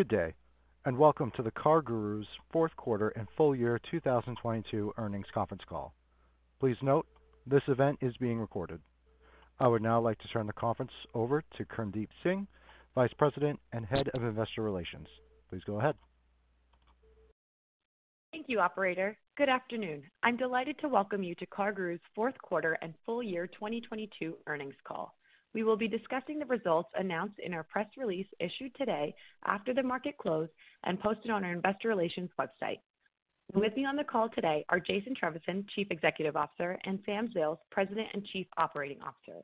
Good day, and welcome to the CarGurus Q4 and full year 2022 earnings conference call. Please note, this event is being recorded. I would now like to turn the conference over to Kirndeep Singh, Vice President and Head of Investor Relations. Please go ahead. Thank you, operator. Good afternoon. I'm delighted to welcome you to CarGurus Q4 and full year 2022 earnings call. We will be discussing the results announced in our press release issued today after the market closed and posted on our investor relations website. With me on the call today are Jason Trevisan, Chief Executive Officer, and Sam Zales, President and Chief Operating Officer.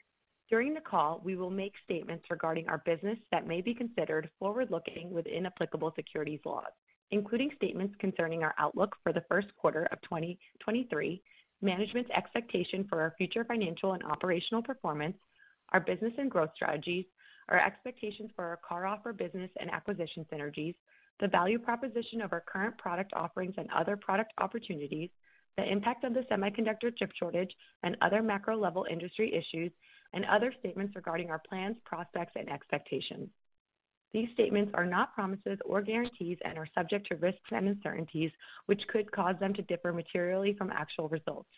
During the call, we will make statements regarding our business that may be considered forward-looking within applicable securities laws, including statements concerning our outlook for the Q1 of 2023, management's expectation for our future financial and operational performance, our business and growth strategies, our expectations for our CarOffer business and acquisition synergies, the value proposition of our current product offerings and other product opportunities, the impact of the semiconductor chip shortage, and other macro-level industry issues, and other statements regarding our plans, prospects, and expectations. These statements are not promises or guarantees and are subject to risks and uncertainties, which could cause them to differ materially from actual results.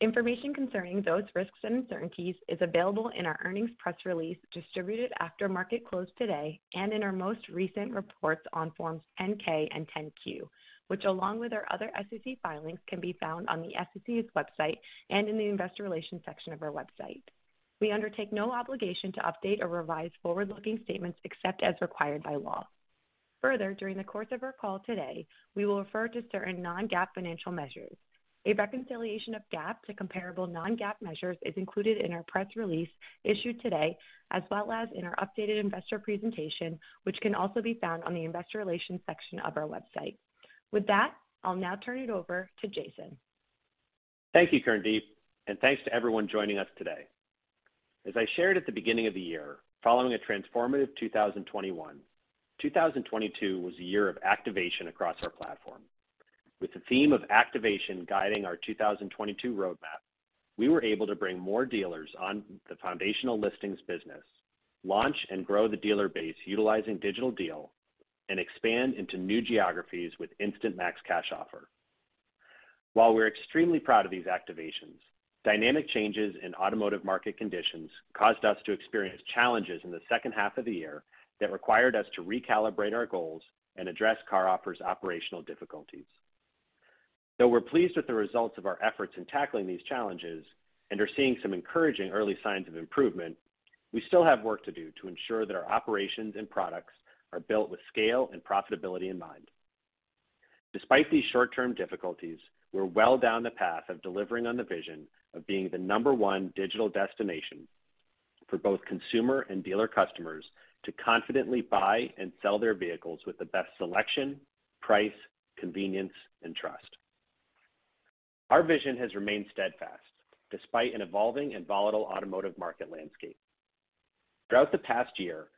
Information concerning those risks and uncertainties is available in our earnings press release distributed after market close today and in our most recent reports on Form 10-K and Form 10-Q, which along with our other SEC filings can be found on the SEC's website and in the investor relations section of our website. We undertake no obligation to update or revise forward-looking statements except as required by law. During the course of our call today, we will refer to certain non-GAAP financial measures. A reconciliation of GAAP to comparable non-GAAP measures is included in our press release issued today, as well as in our updated investor presentation, which can also be found on the investor relations section of our website. I'll now turn it over to Jason. Thank you, Kirndeep, and thanks to everyone joining us today. As I shared at the beginning of the year, following a transformative 2021, 2022 was a year of activation across our platform. With the theme of activation guiding our 2022 roadmap, we were able to bring more dealers on the foundational listings business, launch and grow the dealer base utilizing Digital Deal, and expand into new geographies with Instant Max Cash Offer. While we're extremely proud of these activations, dynamic changes in automotive market conditions caused us to experience challenges in the second half of the year that required us to recalibrate our goals and address CarOffer's operational difficulties. We're pleased with the results of our efforts in tackling these challenges and are seeing some encouraging early signs of improvement, we still have work to do to ensure that our operations and products are built with scale and profitability in mind. Despite these short-term difficulties, we're well down the path of delivering on the vision of being the number one digital destination for both consumer and dealer customers to confidently buy and sell their vehicles with the best selection, price, convenience, and trust. Our vision has remained steadfast despite an evolving and volatile automotive market landscape. Throughout the past year,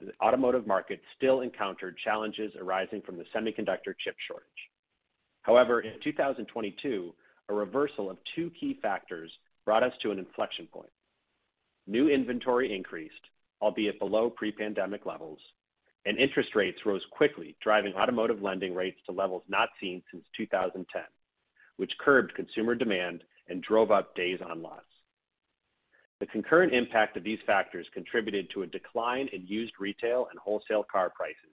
the automotive market still encountered challenges arising from the semiconductor chip shortage. In 2022, a reversal of two key factors brought us to an inflection point. New inventory increased, albeit below pre-pandemic levels, and interest rates rose quickly, driving automotive lending rates to levels not seen since 2010, which curbed consumer demand and drove up days on lots. The concurrent impact of these factors contributed to a decline in used retail and wholesale car prices,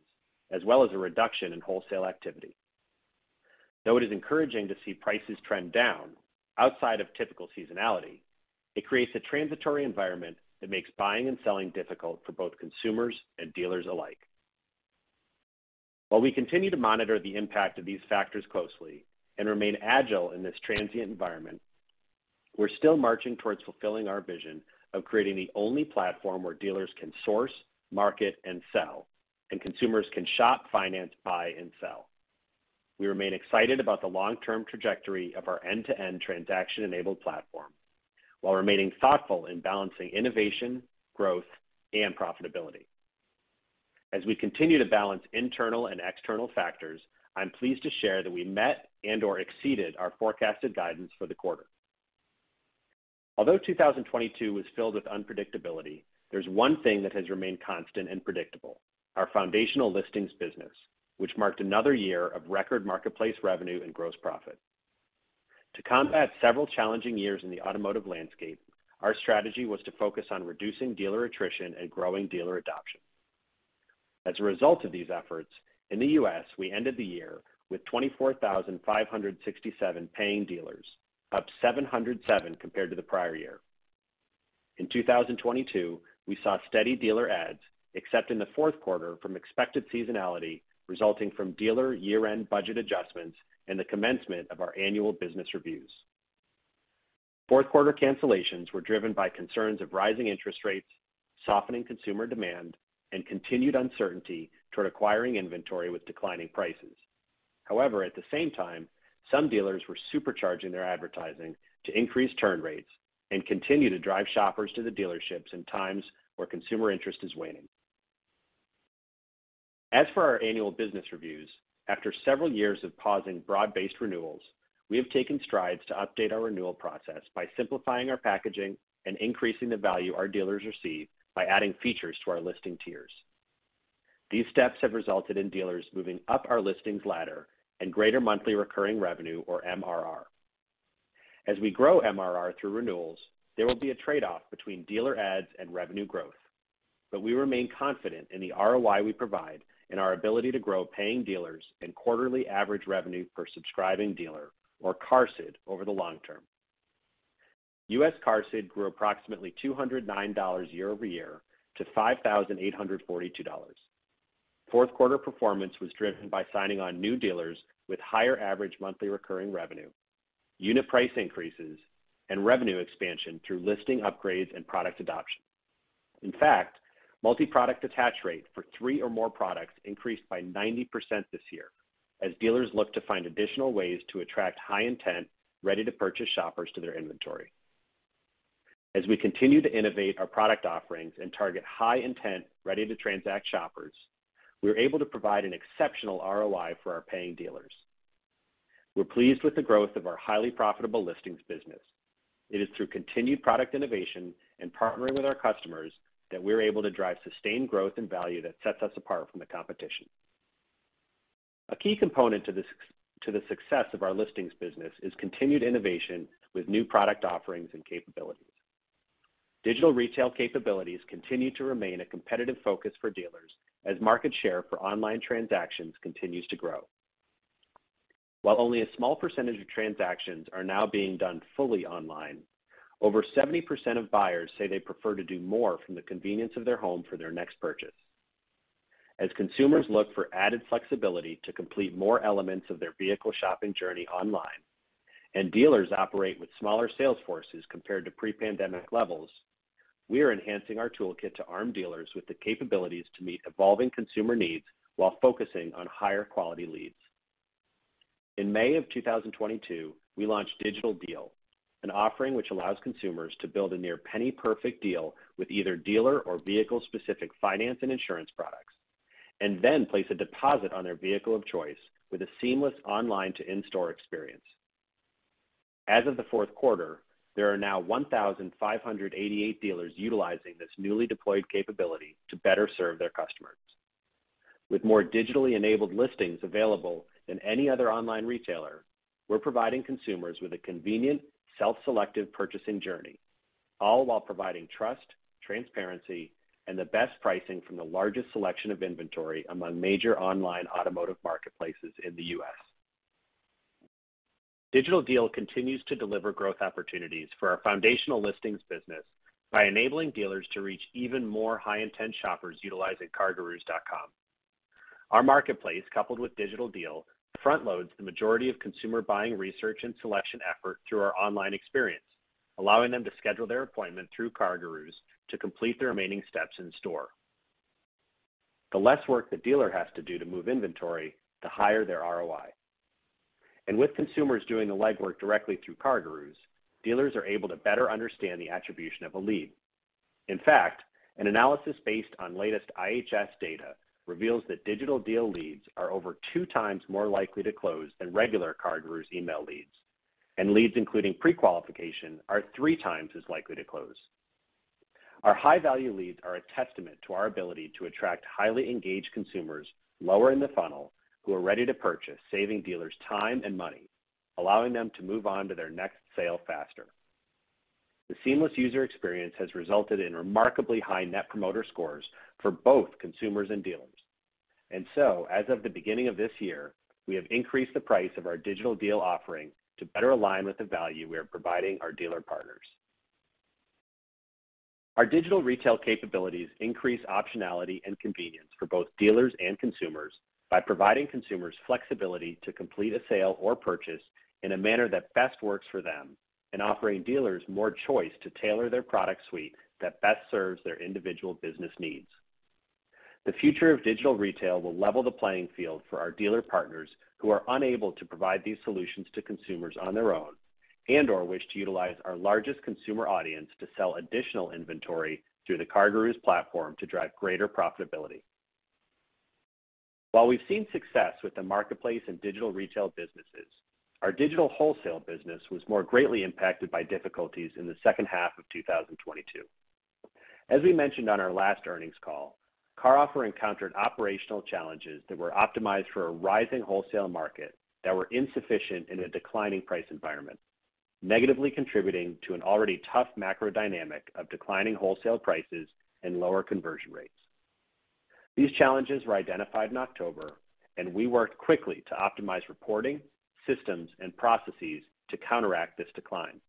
as well as a reduction in wholesale activity. Though it is encouraging to see prices trend down outside of typical seasonality, it creates a transitory environment that makes buying and selling difficult for both consumers and dealers alike. While we continue to monitor the impact of these factors closely and remain agile in this transient environment, we're still marching towards fulfilling our vision of creating the only platform where dealers can source, market, and sell, and consumers can shop, finance, buy and sell. We remain excited about the long-term trajectory of our end-to-end transaction-enabled platform while remaining thoughtful in balancing innovation, growth, and profitability. We continue to balance internal and external factors, I'm pleased to share that we met and/or exceeded our forecasted guidance for the quarter. 2022 was filled with unpredictability, there's one thing that has remained constant and predictable, our foundational listings business, which marked another year of record marketplace revenue and gross profit. To combat several challenging years in the automotive landscape, our strategy was to focus on reducing dealer attrition and growing dealer adoption. A result of these efforts, in the U.S., we ended the year with 24,567 paying dealers, up 707 compared to the prior year. In 2022, we saw steady dealer adds, except in the Q4 from expected seasonality resulting from dealer year-end budget adjustments and the commencement of our annual business reviews. Q4 cancellations were driven by concerns of rising interest rates, softening consumer demand, and continued uncertainty toward acquiring inventory with declining prices. However, at the same time, some dealers were supercharging their advertising to increase turn rates and continue to drive shoppers to the dealerships in times where consumer interest is waning. As for our annual business reviews, after several years of pausing broad-based renewals. We have taken strides to update our renewal process by simplifying our packaging and increasing the value our dealers receive by adding features to our listing tiers. These steps have resulted in dealers moving up our listings ladder and greater monthly recurring revenue, or MRR. As we grow MRR through renewals, there will be a trade-off between dealer ads and revenue growth. We remain confident in the ROI we provide and our ability to grow paying dealers and quarterly average revenue per subscribing dealer, or CARSID, over the long term. US CARSID grew approximately $209 year-over-year to $5,842. Q4 performance was driven by signing on new dealers with higher average monthly recurring revenue, unit price increases, and revenue expansion through listing upgrades and product adoption. In fact, multi-product attach rate for 3 or more products increased by 90% this year as dealers look to find additional ways to attract high intent, ready-to-purchase shoppers to their inventory. As we continue to innovate our product offerings and target high intent, ready-to-transact shoppers, we're able to provide an exceptional ROI for our paying dealers. We're pleased with the growth of our highly profitable listings business. It is through continued product innovation and partnering with our customers that we're able to drive sustained growth and value that sets us apart from the competition. A key component to the success of our listings business is continued innovation with new product offerings and capabilities. Digital retail capabilities continue to remain a competitive focus for dealers as market share for online transactions continues to grow. While only a small percentage of transactions are now being done fully online, over 70% of buyers say they prefer to do more from the convenience of their home for their next purchase. As consumers look for added flexibility to complete more elements of their vehicle shopping journey online, and dealers operate with smaller sales forces compared to pre-pandemic levels, we are enhancing our toolkit to arm dealers with the capabilities to meet evolving consumer needs while focusing on higher quality leads. In May of 2022, we launched Digital Deal, an offering which allows consumers to build a near penny-perfect deal with either dealer or vehicle-specific finance and insurance products, and then place a deposit on their vehicle of choice with a seamless online-to-in-store experience. As of the Q4, there are now 1,588 dealers utilizing this newly deployed capability to better serve their customers. With more digitally enabled listings available than any other online retailer, we're providing consumers with a convenient, self-selective purchasing journey, all while providing trust, transparency, and the best pricing from the largest selection of inventory among major online automotive marketplaces in the U.S. Digital Deal continues to deliver growth opportunities for our foundational listings business by enabling dealers to reach even more high-intent shoppers utilizing CarGurus.com. Our marketplace, coupled with Digital Deal, front loads the majority of consumer buying research and selection effort through our online experience, allowing them to schedule their appointment through CarGurus to complete the remaining steps in store. The less work the dealer has to do to move inventory, the higher their ROI. With consumers doing the legwork directly through CarGurus, dealers are able to better understand the attribution of a lead. In fact, an analysis based on latest IHS data reveals that Digital Deal leads are over two times more likely to close than regular CarGurus email leads, and leads including pre-qualification are three times as likely to close. Our high-value leads are a testament to our ability to attract highly engaged consumers lower in the funnel who are ready to purchase, saving dealers time and money, allowing them to move on to their next sale faster. The seamless user experience has resulted in remarkably high Net Promoter Scores for both consumers and dealers. As of the beginning of this year, we have increased the price of our Digital Deal offering to better align with the value we are providing our dealer partners. Our digital retail capabilities increase optionality and convenience for both dealers and consumers by providing consumers flexibility to complete a sale or purchase in a manner that best works for them and offering dealers more choice to tailor their product suite that best serves their individual business needs. The future of digital retail will level the playing field for our dealer partners who are unable to provide these solutions to consumers on their own and/or wish to utilize our largest consumer audience to sell additional inventory through the CarGurus platform to drive greater profitability. While we've seen success with the marketplace and digital retail businesses, our digital wholesale business was more greatly impacted by difficulties in the second half of 2022. As we mentioned on our last earnings call, CarOffer encountered operational challenges that were optimized for a rising wholesale market that were insufficient in a declining price environment, negatively contributing to an already tough macro dynamic of declining wholesale prices and lower conversion rates. These challenges were identified in October. We worked quickly to optimize reporting, systems, and processes to counteract this decline.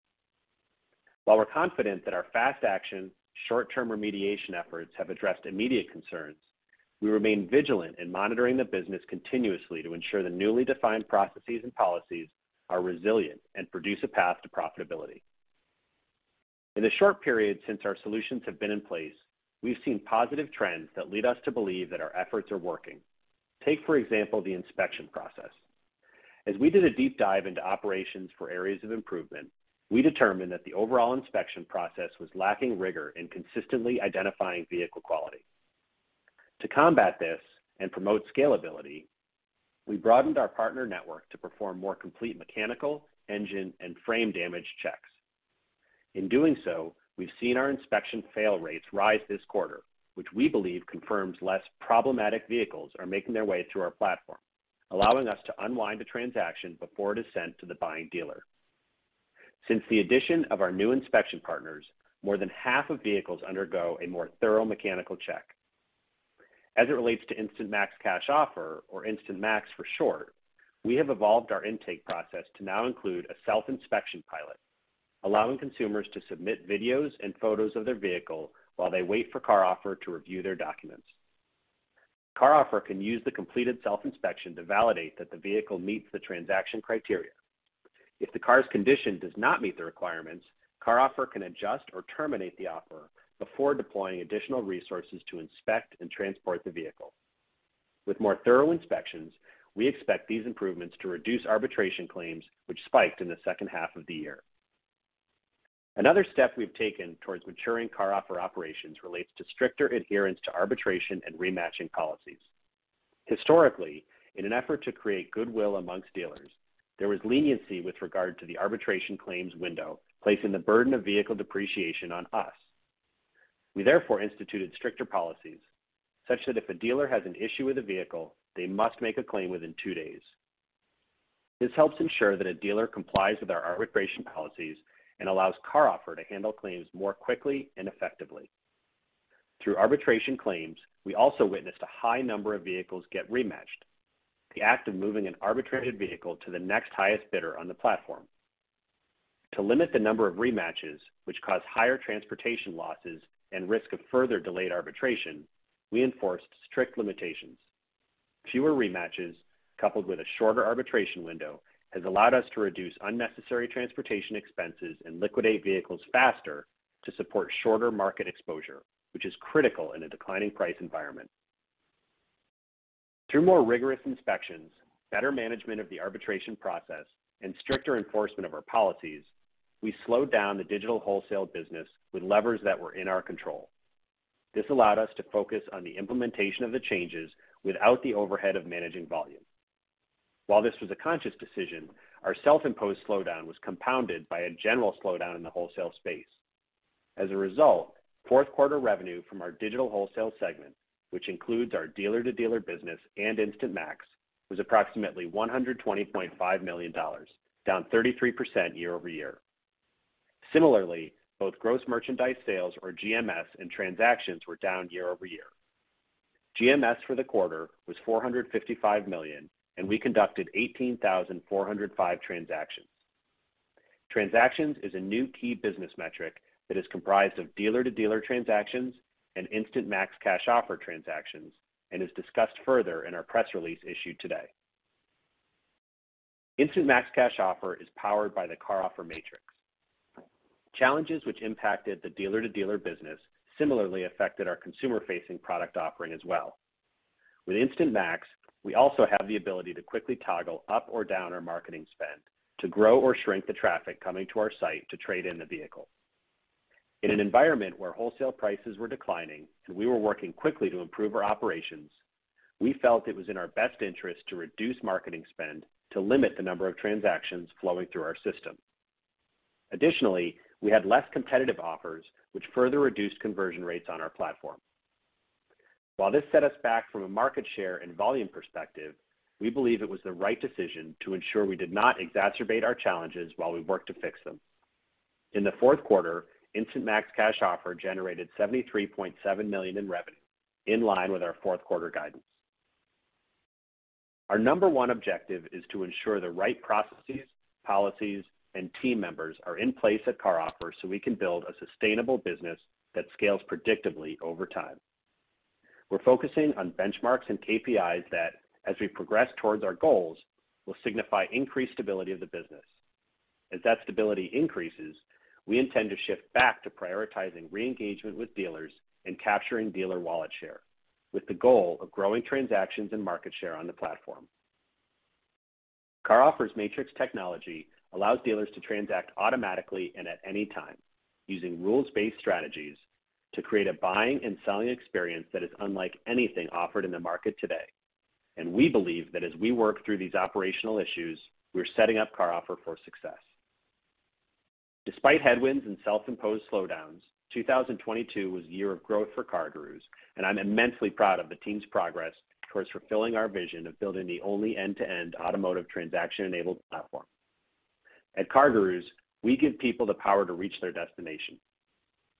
While we're confident that our fast action, short-term remediation efforts have addressed immediate concerns, we remain vigilant in monitoring the business continuously to ensure the newly defined processes and policies are resilient and produce a path to profitability. In the short period since our solutions have been in place, we've seen positive trends that lead us to believe that our efforts are working. Take, for example, the inspection process. As we did a deep dive into operations for areas of improvement, we determined that the overall inspection process was lacking rigor in consistently identifying vehicle quality. To combat this and promote scalability, we broadened our partner network to perform more complete mechanical, engine, and frame damage checks. In doing so, we've seen our inspection fail rates rise this quarter, which we believe confirms less problematic vehicles are making their way through our platform, allowing us to unwind a transaction before it is sent to the buying dealer. Since the addition of our new inspection partners, more than half of vehicles undergo a more thorough mechanical check. As it relates to Instant Max Cash Offer, or Instant Max for short, we have evolved our intake process to now include a self-inspection pilot, allowing consumers to submit videos and photos of their vehicle while they wait for CarOffer to review their documents. CarOffer can use the completed self-inspection to validate that the vehicle meets the transaction criteria. If the car's condition does not meet the requirements, CarOffer can adjust or terminate the offer before deploying additional resources to inspect and transport the vehicle. With more thorough inspections, we expect these improvements to reduce arbitration claims, which spiked in the second half of the year. Another step we've taken towards maturing CarOffer operations relates to stricter adherence to arbitration and rematching policies. Historically, in an effort to create goodwill amongst dealers, there was leniency with regard to the arbitration claims window, placing the burden of vehicle depreciation on us. We therefore instituted stricter policies, such that if a dealer has an issue with a vehicle, they must make a claim within two days. This helps ensure that a dealer complies with our arbitration policies and allows CarOffer to handle claims more quickly and effectively. Through arbitration claims, we also witnessed a high number of vehicles get rematched, the act of moving an arbitrated vehicle to the next highest bidder on the platform. To limit the number of rematches, which cause higher transportation losses and risk of further delayed arbitration, we enforced strict limitations. Fewer rematches coupled with a shorter arbitration window has allowed us to reduce unnecessary transportation expenses and liquidate vehicles faster to support shorter market exposure, which is critical in a declining price environment. Through more rigorous inspections, better management of the arbitration process, and stricter enforcement of our policies, we slowed down the digital wholesale business with levers that were in our control. This allowed us to focus on the implementation of the changes without the overhead of managing volume. While this was a conscious decision, our self-imposed slowdown was compounded by a general slowdown in the wholesale space. As a result, Q4 revenue from our digital wholesale segment, which includes our dealer-to-dealer business and Instant Max, was approximately $120.5 million, down 33% year-over-year. Similarly, both gross merchandise sales, or GMS, and transactions were down year-over-year. GMS for the quarter was $455 million, and we conducted 18,405 transactions. Transactions is a new key business metric that is comprised of dealer-to-dealer transactions and Instant Max Cash Offer transactions and is discussed further in our press release issued today. Instant Max Cash Offer is powered by the CarOffer matrix. Challenges which impacted the dealer-to-dealer business similarly affected our consumer-facing product offering as well. With Instant Max, we also have the ability to quickly toggle up or down our marketing spend to grow or shrink the traffic coming to our site to trade in the vehicle. In an environment where wholesale prices were declining and we were working quickly to improve our operations, we felt it was in our best interest to reduce marketing spend to limit the number of transactions flowing through our system. We had less competitive offers, which further reduced conversion rates on our platform. While this set us back from a market share and volume perspective, we believe it was the right decision to ensure we did not exacerbate our challenges while we worked to fix them. In the Q4, Instant Max Cash Offer generated $73.7 million in revenue, in line with our Q4 guidance. Our number one objective is to ensure the right processes, policies, and team members are in place at CarOffer so we can build a sustainable business that scales predictably over time. We're focusing on benchmarks and KPIs that, as we progress towards our goals, will signify increased stability of the business. As that stability increases, we intend to shift back to prioritizing re-engagement with dealers and capturing dealer wallet share, with the goal of growing transactions and market share on the platform. CarOffer's matrix technology allows dealers to transact automatically and at any time using rules-based strategies to create a buying and selling experience that is unlike anything offered in the market today, and we believe that as we work through these operational issues, we're setting up CarOffer for success. Despite headwinds and self-imposed slowdowns, 2022 was a year of growth for CarGurus, and I'm immensely proud of the team's progress towards fulfilling our vision of building the only end-to-end automotive transaction-enabled platform. At CarGurus, we give people the power to reach their destination.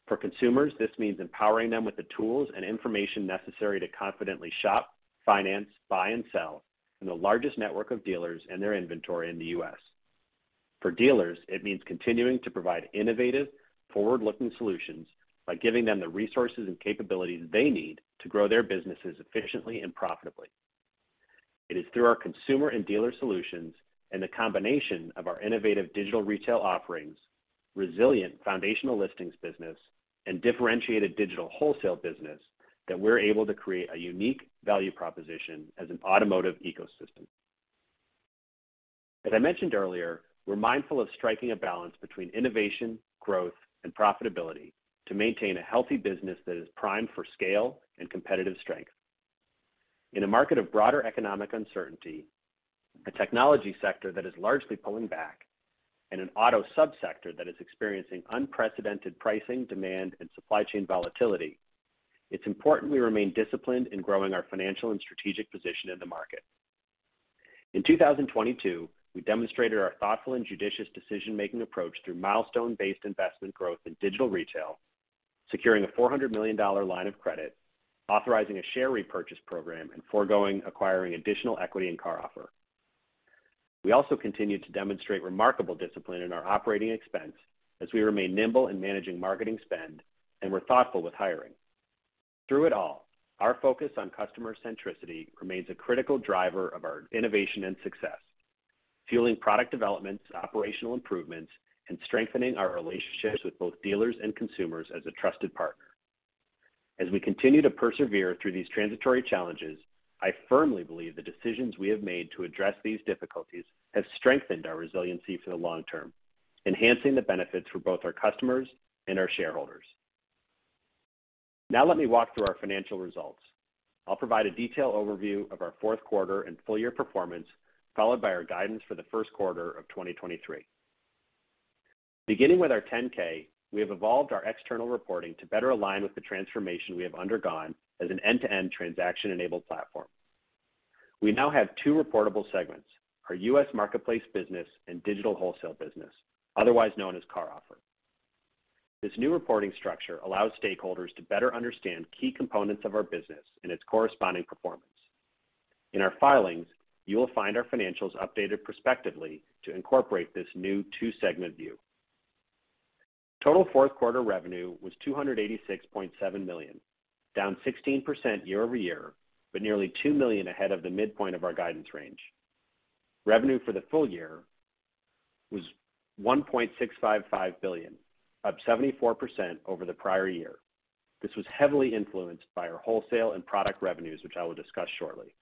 For consumers, this means empowering them with the tools and information necessary to confidently shop, finance, buy, and sell from the largest network of dealers and their inventory in the US. For dealers, it means continuing to provide innovative, forward-looking solutions by giving them the resources and capabilities they need to grow their businesses efficiently and profitably. It is through our consumer and dealer solutions and the combination of our innovative digital retail offerings, resilient foundational listings business, and differentiated digital wholesale business that we're able to create a unique value proposition as an automotive ecosystem. As I mentioned earlier, we're mindful of striking a balance between innovation, growth, and profitability to maintain a healthy business that is primed for scale and competitive strength. In a market of broader economic uncertainty, a technology sector that is largely pulling back, and an auto sub-sector that is experiencing unprecedented pricing, demand, and supply chain volatility, it's important we remain disciplined in growing our financial and strategic position in the market. In 2022, we demonstrated our thoughtful and judicious decision-making approach through milestone-based investment growth in digital retail, securing a $400 million line of credit, authorizing a share repurchase program, and foregoing acquiring additional equity in CarOffer. We also continued to demonstrate remarkable discipline in our operating expense as we remain nimble in managing marketing spend, and we're thoughtful with hiring. Through it all, our focus on customer centricity remains a critical driver of our innovation and success, fueling product developments, operational improvements, and strengthening our relationships with both dealers and consumers as a trusted partner. We continue to persevere through these transitory challenges, I firmly believe the decisions we have made to address these difficulties have strengthened our resiliency for the long term, enhancing the benefits for both our customers and our shareholders. Let me walk through our financial results. I'll provide a detailed overview of our Q4 and full year performance, followed by our guidance for the Q1 of 2023. Beginning with our Form 10-K, we have evolved our external reporting to better align with the transformation we have undergone as an end-to-end transaction-enabled platform. We now have two reportable segments, our U.S. marketplace business and digital wholesale business, otherwise known as CarOffer. This new reporting structure allows stakeholders to better understand key components of our business and its corresponding performance. In our filings, you will find our financials updated prospectively to incorporate this new two-segment view. Total Q4 revenue was $286.7 million, down 16% year-over-year, but nearly $2 million ahead of the midpoint of our guidance range. Revenue for the full year was $1.655 billion, up 74% over the prior year. This was heavily influenced by our wholesale and product revenues, which I will discuss shortly.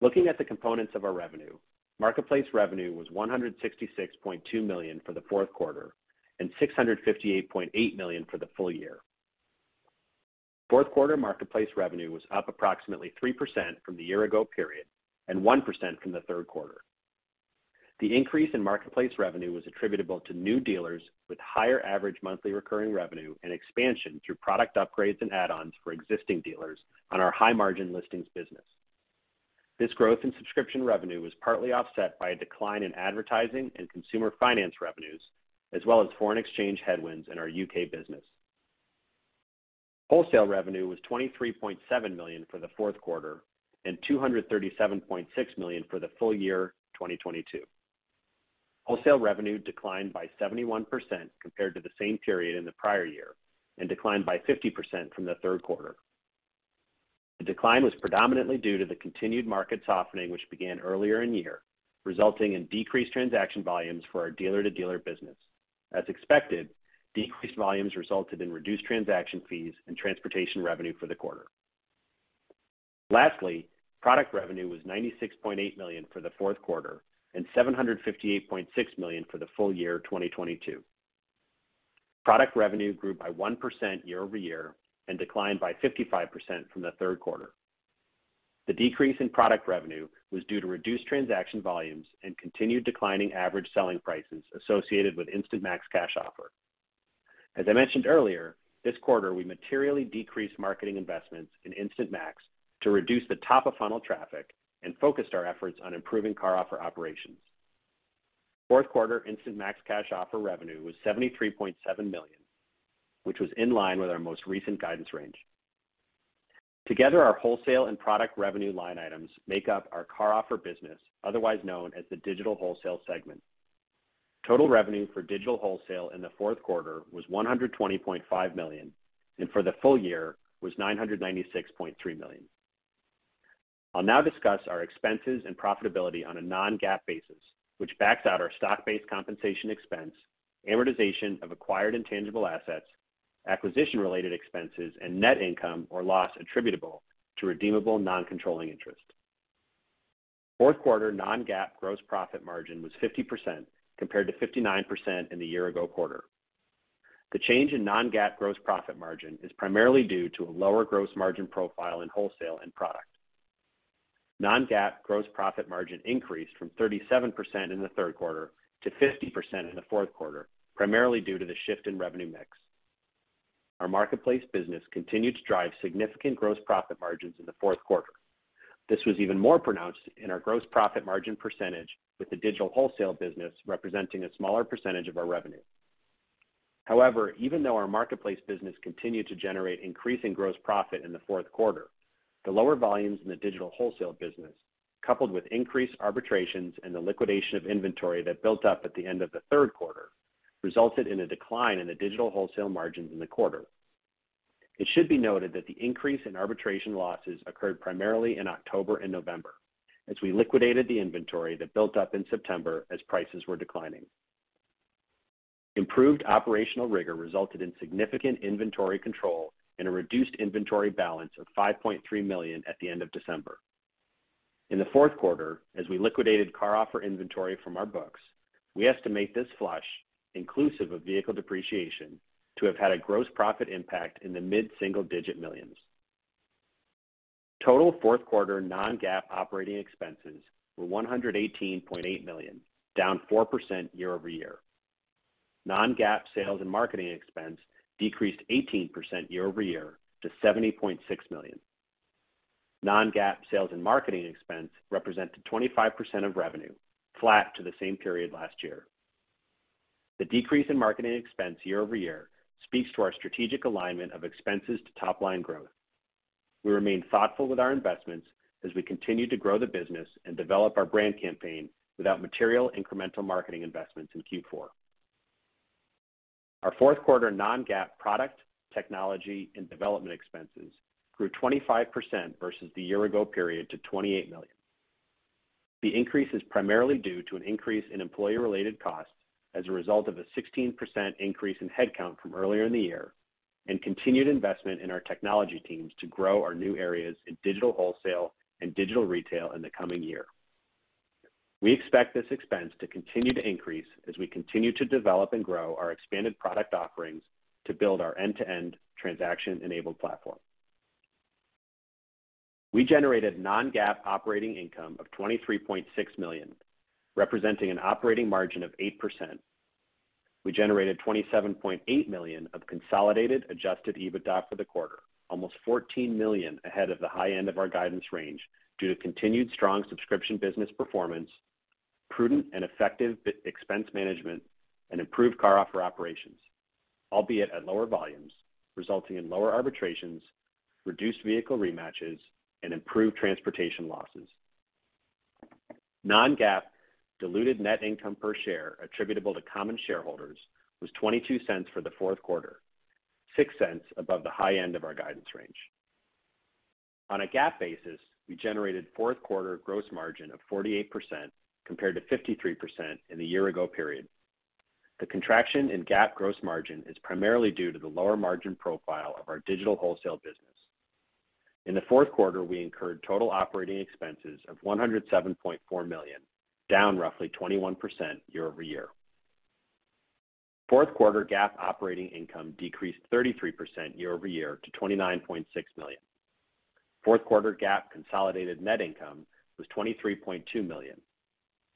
Looking at the components of our revenue, marketplace revenue was $166.2 million for the Q4 and $658.8 million for the full year. Q4 marketplace revenue was up approximately 3% from the year ago period and 1% from the Q3. The increase in marketplace revenue was attributable to new dealers with higher average monthly recurring revenue and expansion through product upgrades and add-ons for existing dealers on our high-margin listings business. This growth in subscription revenue was partly offset by a decline in advertising and consumer finance revenues, as well as foreign exchange headwinds in our U.K. business. Wholesale revenue was $23.7 million for the Q4 and $237.6 million for the full year 2022. Wholesale revenue declined by 71% compared to the same period in the prior year and declined by 50% from the Q3. The decline was predominantly due to the continued market softening, which began earlier in the year, resulting in decreased transaction volumes for our dealer-to-dealer business. As expected, decreased volumes resulted in reduced transaction fees and transportation revenue for the quarter. Lastly, product revenue was $96.8 million for the Q4 and $758.6 million for the full year 2022. Product revenue grew by 1% year-over-year and declined by 55% from the Q3. The decrease in product revenue was due to reduced transaction volumes and continued declining average selling prices associated with Instant Max Cash Offer. As I mentioned earlier, this quarter, we materially decreased marketing investments in Instant Max to reduce the top-of-funnel traffic and focused our efforts on improving CarOffer operations. Q4 Instant Max Cash Offer revenue was $73.7 million, which was in line with our most recent guidance range. Together, our wholesale and product revenue line items make up our CarOffer business, otherwise known as the digital wholesale segment. Total revenue for digital wholesale in the Q4 was $120.5 million, and for the full year was $996.3 million. I'll now discuss our expenses and profitability on a non-GAAP basis, which backs out our stock-based compensation expense, amortization of acquired intangible assets, acquisition-related expenses, and net income or loss attributable to redeemable non-controlling interest. Q4 non-GAAP gross profit margin was 50% compared to 59% in the year-ago quarter. The change in non-GAAP gross profit margin is primarily due to a lower gross margin profile in wholesale and product. Non-GAAP gross profit margin increased from 37% in the Q3 to 50% in the Q4, primarily due to the shift in revenue mix. Our marketplace business continued to drive significant gross profit margins in the Q4. This was even more pronounced in our gross profit margin percentage, with the digital wholesale business representing a smaller percentage of our revenue. Even though our marketplace business continued to generate increasing gross profit in the Q4, the lower volumes in the digital wholesale business, coupled with increased arbitrations and the liquidation of inventory that built up at the end of the Q3, resulted in a decline in the digital wholesale margins in the quarter. It should be noted that the increase in arbitration losses occurred primarily in October and November as we liquidated the inventory that built up in September as prices were declining. Improved operational rigor resulted in significant inventory control and a reduced inventory balance of $5.3 million at the end of December. In the Q4, as we liquidated CarOffer inventory from our books, we estimate this flush inclusive of vehicle depreciation to have had a gross profit impact in the mid-single digit millions. Total Q4 non-GAAP operating expenses were $118.8 million, down 4% year-over-year. Non-GAAP sales and marketing expense decreased 18% year-over-year to $70.6 million. Non-GAAP sales and marketing expense represented 25% of revenue, flat to the same period last year. The decrease in marketing expense year-over-year speaks to our strategic alignment of expenses to top line growth. We remain thoughtful with our investments as we continue to grow the business and develop our brand campaign without material incremental marketing investments in Q4. Our Q4 non-GAAP product, technology and development expenses grew 25% versus the year ago period to $28 million. The increase is primarily due to an increase in employee-related costs as a result of a 16% increase in headcount from earlier in the year and continued investment in our technology teams to grow our new areas in digital wholesale and digital retail in the coming year. We expect this expense to continue to increase as we continue to develop and grow our expanded product offerings to build our end-to-end transaction-enabled platform. We generated non-GAAP operating income of $23.6 million, representing an operating margin of 8%. We generated $27.8 million of consolidated adjusted EBITDA for the quarter, almost $14 million ahead of the high end of our guidance range due to continued strong subscription business performance, prudent and effective expense management and improved CarOffer operations, albeit at lower volumes, resulting in lower arbitrations, reduced vehicle rematches and improved transportation losses. Non-GAAP diluted net income per share attributable to common shareholders was $0.22 for the Q4, $0.06 above the high end of our guidance range. On a GAAP basis, we generated Q4 gross margin of 48% compared to 53% in the year-ago period. The contraction in GAAP gross margin is primarily due to the lower margin profile of our digital wholesale business. In the Q4, we incurred total operating expenses of $107.4 million, down roughly 21% year-over-year. Q4 GAAP operating income decreased 33% year-over-year to $29.6 million. FQ4 GAAP consolidated net income was $23.2 million.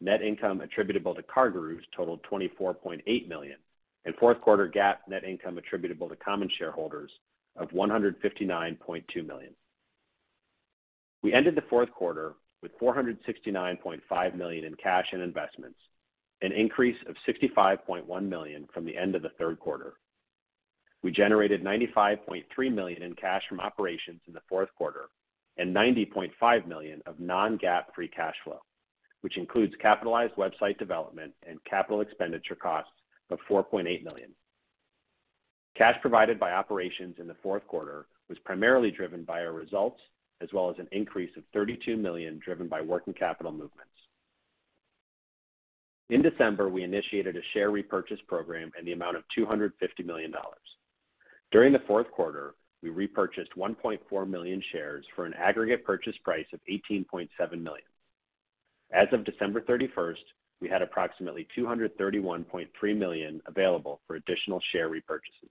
Net income attributable to CarGurus totaled $24.8 million, and Q4 GAAP net income attributable to common shareholders of $159.2 million. We ended the Q4 with $469.5 million in cash and investments, an increase of $65.1 million from the end of the Q3. We generated $95.3 million in cash from operations in the Q4 and $90.5 million of non-GAAP free cash flow, which includes capitalized website development and capital expenditure costs of $4.8 million. Cash provided by operations in the Q4 was primarily driven by our results as well as an increase of $32 million driven by working capital movements. In December, we initiated a share repurchase program in the amount of $250 million. During the Q4, we repurchased 1.4 million shares for an aggregate purchase price of $18.7 million. As of December 31st, we had approximately $231.3 million available for additional share repurchases.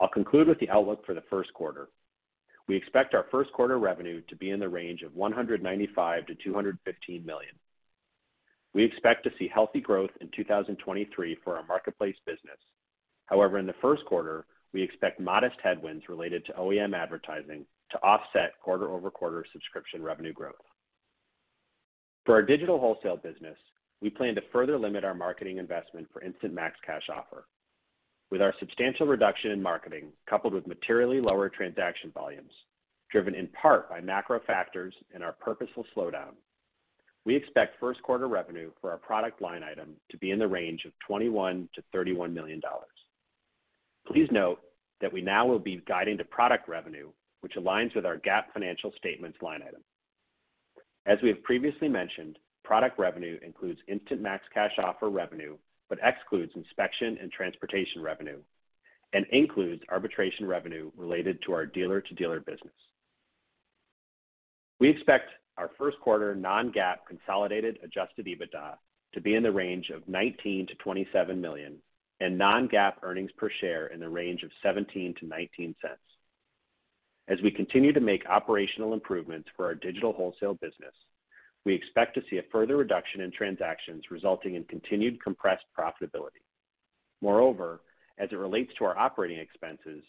I'll conclude with the outlook for the Q1. We expect our Q1 revenue to be in the range of $195 million-$215 million. We expect to see healthy growth in 2023 for our marketplace business. However, in the Q1, we expect modest headwinds related to OEM advertising to offset quarter-over-quarter subscription revenue growth. For our digital wholesale business, we plan to further limit our marketing investment for Instant Max Cash Offer. With our substantial reduction in marketing coupled with materially lower transaction volumes driven in part by macro factors and our purposeful slowdown, we expect Q1 revenue for our product line item to be in the range of $21 million-$31 million. Please note that we now will be guiding to product revenue, which aligns with our GAAP financial statements line item. As we have previously mentioned, product revenue includes Instant Max Cash Offer revenue, but excludes inspection and transportation revenue, and includes arbitration revenue related to our dealer-to-dealer business. We expect our Q1 non-GAAP consolidated adjusted EBITDA to be in the range of $19 million-$27 million and non-GAAP earnings per share in the range of $0.17-$0.19. As we continue to make operational improvements for our digital wholesale business, we expect to see a further reduction in transactions resulting in continued compressed profitability. As it relates to our operating expenses,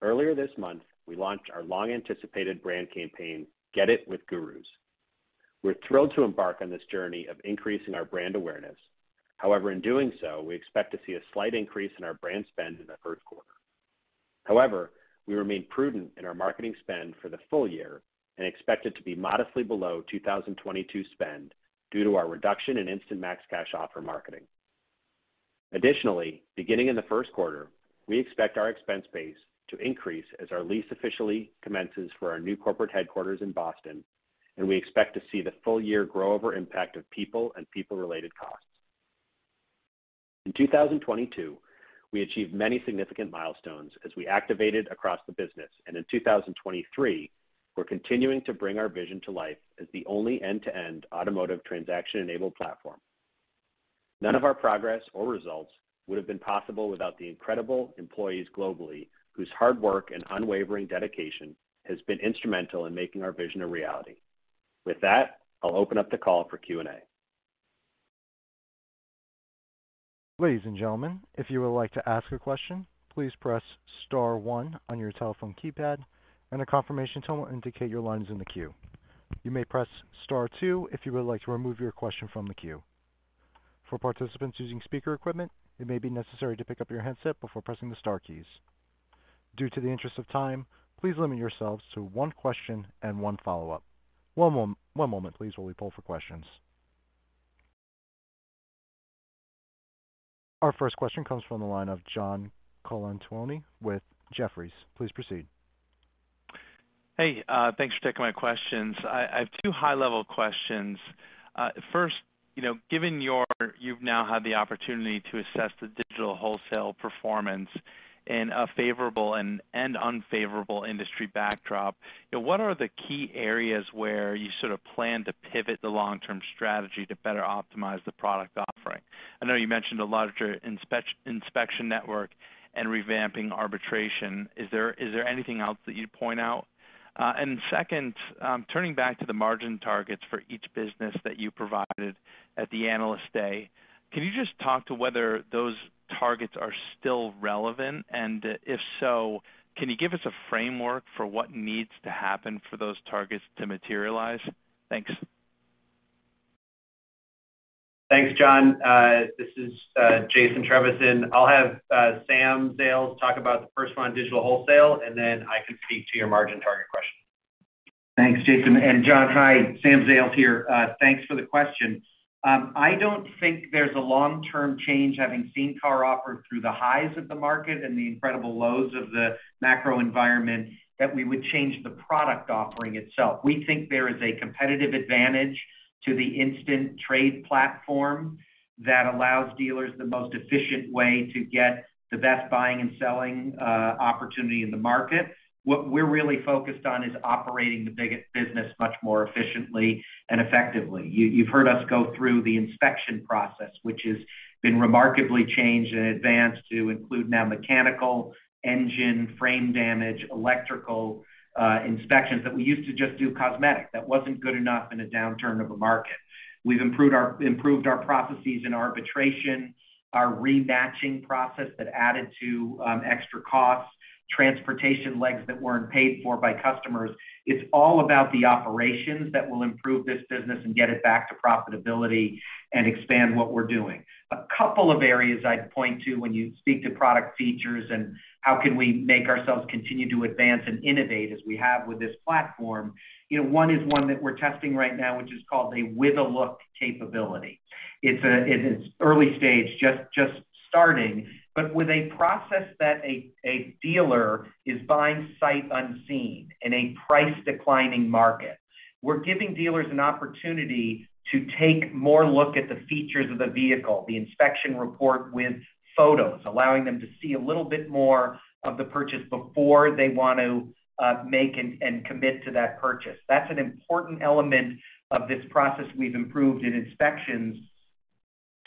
earlier this month, we launched our long-anticipated brand campaign, Get it with Gurus. We're thrilled to embark on this journey of increasing our brand awareness. In doing so, we expect to see a slight increase in our brand spend in the Q1. We remain prudent in our marketing spend for the full year and expect it to be modestly below 2022 spend due to our reduction in Instant Max Cash Offer marketing. Additionally, beginning in the Q1, we expect our expense base to increase as our lease officially commences for our new corporate headquarters in Boston. We expect to see the full year grow over impact of people and people-related costs. In 2022, we achieved many significant milestones as we activated across the business. In 2023, we're continuing to bring our vision to life as the only end-to-end automotive transaction-enabled platform. None of our progress or results would have been possible without the incredible employees globally, whose hard work and unwavering dedication has been instrumental in making our vision a reality. With that, I'll open up the call for Q&A. Ladies and gentlemen, if you would like to ask a question, please press star one on your telephone keypad and a confirmation tone will indicate your line is in the queue. You may press star two if you would like to remove your question from the queue. For participants using speaker equipment, it may be necessary to pick up your handset before pressing the star keys. Due to the interest of time, please limit yourselves to one question and one follow-up. One moment, please, while we poll for questions. Our first question comes from the line of John Colantuoni with Jefferies. Please proceed. Hey, thanks for taking my questions. I have 2 high-level questions. First, you know, You've now had the opportunity to assess the digital wholesale performance in a favorable and unfavorable industry backdrop. You know, what are the key areas where you sort of plan to pivot the long-term strategy to better optimize the product offering? I know you mentioned a larger inspection network and revamping arbitration. Is there anything else that you'd point out? Second, turning back to the margin targets for each business that you provided at the Analyst Day, can you just talk to whether those targets are still relevant? If so, can you give us a framework for what needs to happen for those targets to materialize? Thanks. Thanks, John. This is Jason Trevisan. I'll have Sam Zales talk about the first one on digital wholesale, and then I can speak to your margin target question. Thanks, Jason. John, hi, Sam Zales here. Thanks for the question. I don't think there's a long-term change, having seen CarOffer through the highs of the market and the incredible lows of the macro environment, that we would change the product offering itself. We think there is a competitive advantage to the instant trade platform that allows dealers the most efficient way to get the best buying and selling, opportunity in the market. What we're really focused on is operating the biggest business much more efficiently and effectively. You've heard us go through the inspection process, which has been remarkably changed in advance to include now mechanical, engine, frame damage, electrical, inspections that we used to just do cosmetic. That wasn't good enough in a downturn of a market. We've improved our processes in arbitration, our rematching process that added to extra costs, transportation legs that weren't paid for by customers. It's all about the operations that will improve this business and get it back to profitability and expand what we're doing. A couple of areas I'd point to when you speak to product features and how can we make ourselves continue to advance and innovate as we have with this platform. You know, one is one that we're testing right now, which is called a With a Look capability. It's, it's early stage, just starting. With a process that a dealer is buying sight unseen in a price declining market, we're giving dealers an opportunity to take more look at the features of the vehicle, the inspection report with photos, allowing them to see a little bit more of the purchase before they want to make and commit to that purchase. That's an important element of this process we've improved in inspections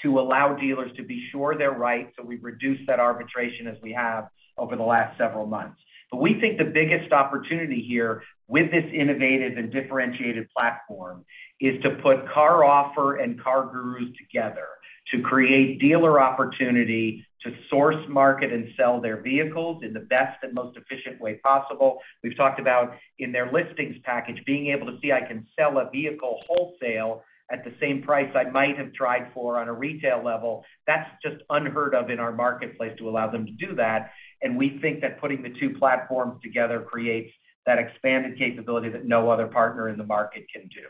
to allow dealers to be sure they're right, so we've reduced that arbitration as we have over the last several months. We think the biggest opportunity here with this innovative and differentiated platform is to put CarOffer and CarGurus together to create dealer opportunity to source market and sell their vehicles in the best and most efficient way possible. We've talked about in their listings package, being able to see I can sell a vehicle wholesale at the same price I might have tried for on a retail level. That's just unheard of in our marketplace to allow them to do that. We think that putting the two platforms together creates that expanded capability that no other partner in the market can do.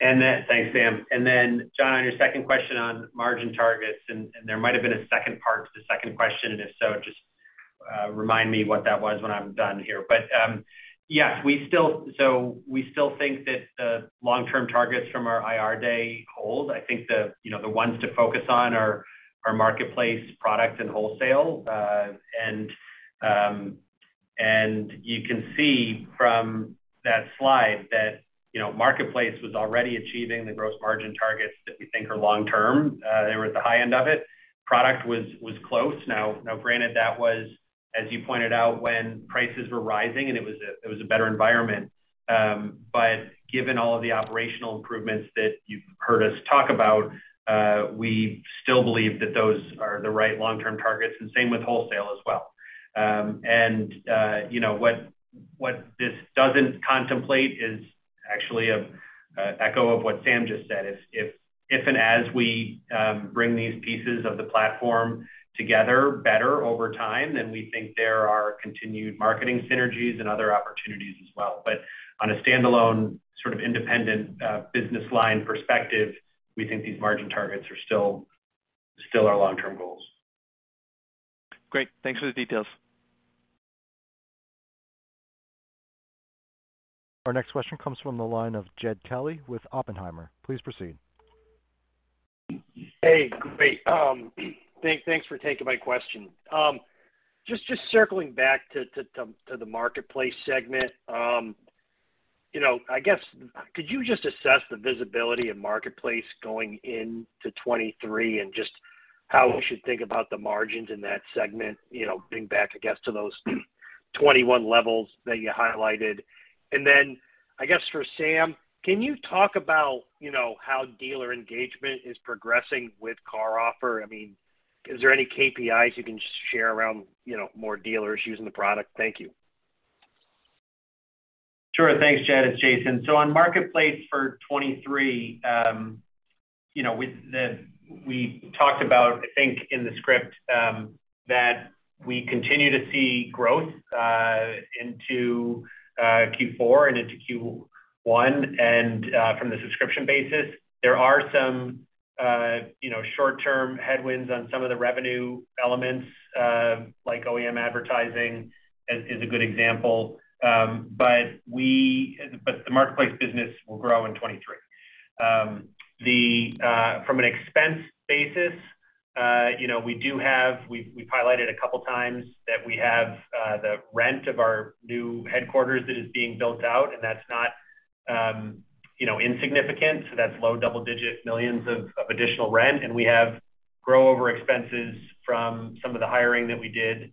Thanks, Sam. John, on your second question on margin targets, and there might have been a second part to the second question, and if so, just remind me what that was when I'm done here. Yes, we still think that the long-term targets from our Investor Day hold. I think the, you know, the ones to focus on are marketplace, product and wholesale. You can see from that slide that, you know, marketplace was already achieving the gross margin targets that we think are long term. They were at the high end of it. Product was close. Now, granted that was, as you pointed out, when prices were rising and it was a better environment. Given all of the operational improvements that you've heard us talk about, we still believe that those are the right long-term targets, and same with wholesale as well. You know, what this doesn't contemplate is actually an echo of what Sam just said, is if and as we bring these pieces of the platform together better over time, then we think there are continued marketing synergies and other opportunities as well. On a standalone sort of independent business line perspective, we think these margin targets are still our long-term goals. Great. Thanks for the details. Our next question comes from the line of Jed Kelly with Oppenheimer. Please proceed. Hey, great. thanks for taking my question. just circling back to the Marketplace segment. you know, I guess could you just assess the visibility of Marketplace going into 2023 and just how we should think about the margins in that segment, you know, being back, I guess, to those 2021 levels that you highlighted? Then I guess for Sam, can you talk about, you know, how dealer engagement is progressing with CarOffer? I mean, is there any KPIs you can share around, you know, more dealers using the product? Thank you. Sure. Thanks, Jed. It's Jason. On Marketplace for 2023, you know, we talked about, I think in the script, that we continue to see growth into Q4 and into Q1. From the subscription basis, there are some, you know, short-term headwinds on some of the revenue elements, like OEM advertising is a good example. But the Marketplace business will grow in 2023. From an expense basis, you know, we do have, we've highlighted a couple times that we have the rent of our new headquarters that is being built out, and that's not, you know, insignificant. That's low double-digit millions of additional rent. We have grow over expenses from some of the hiring that we did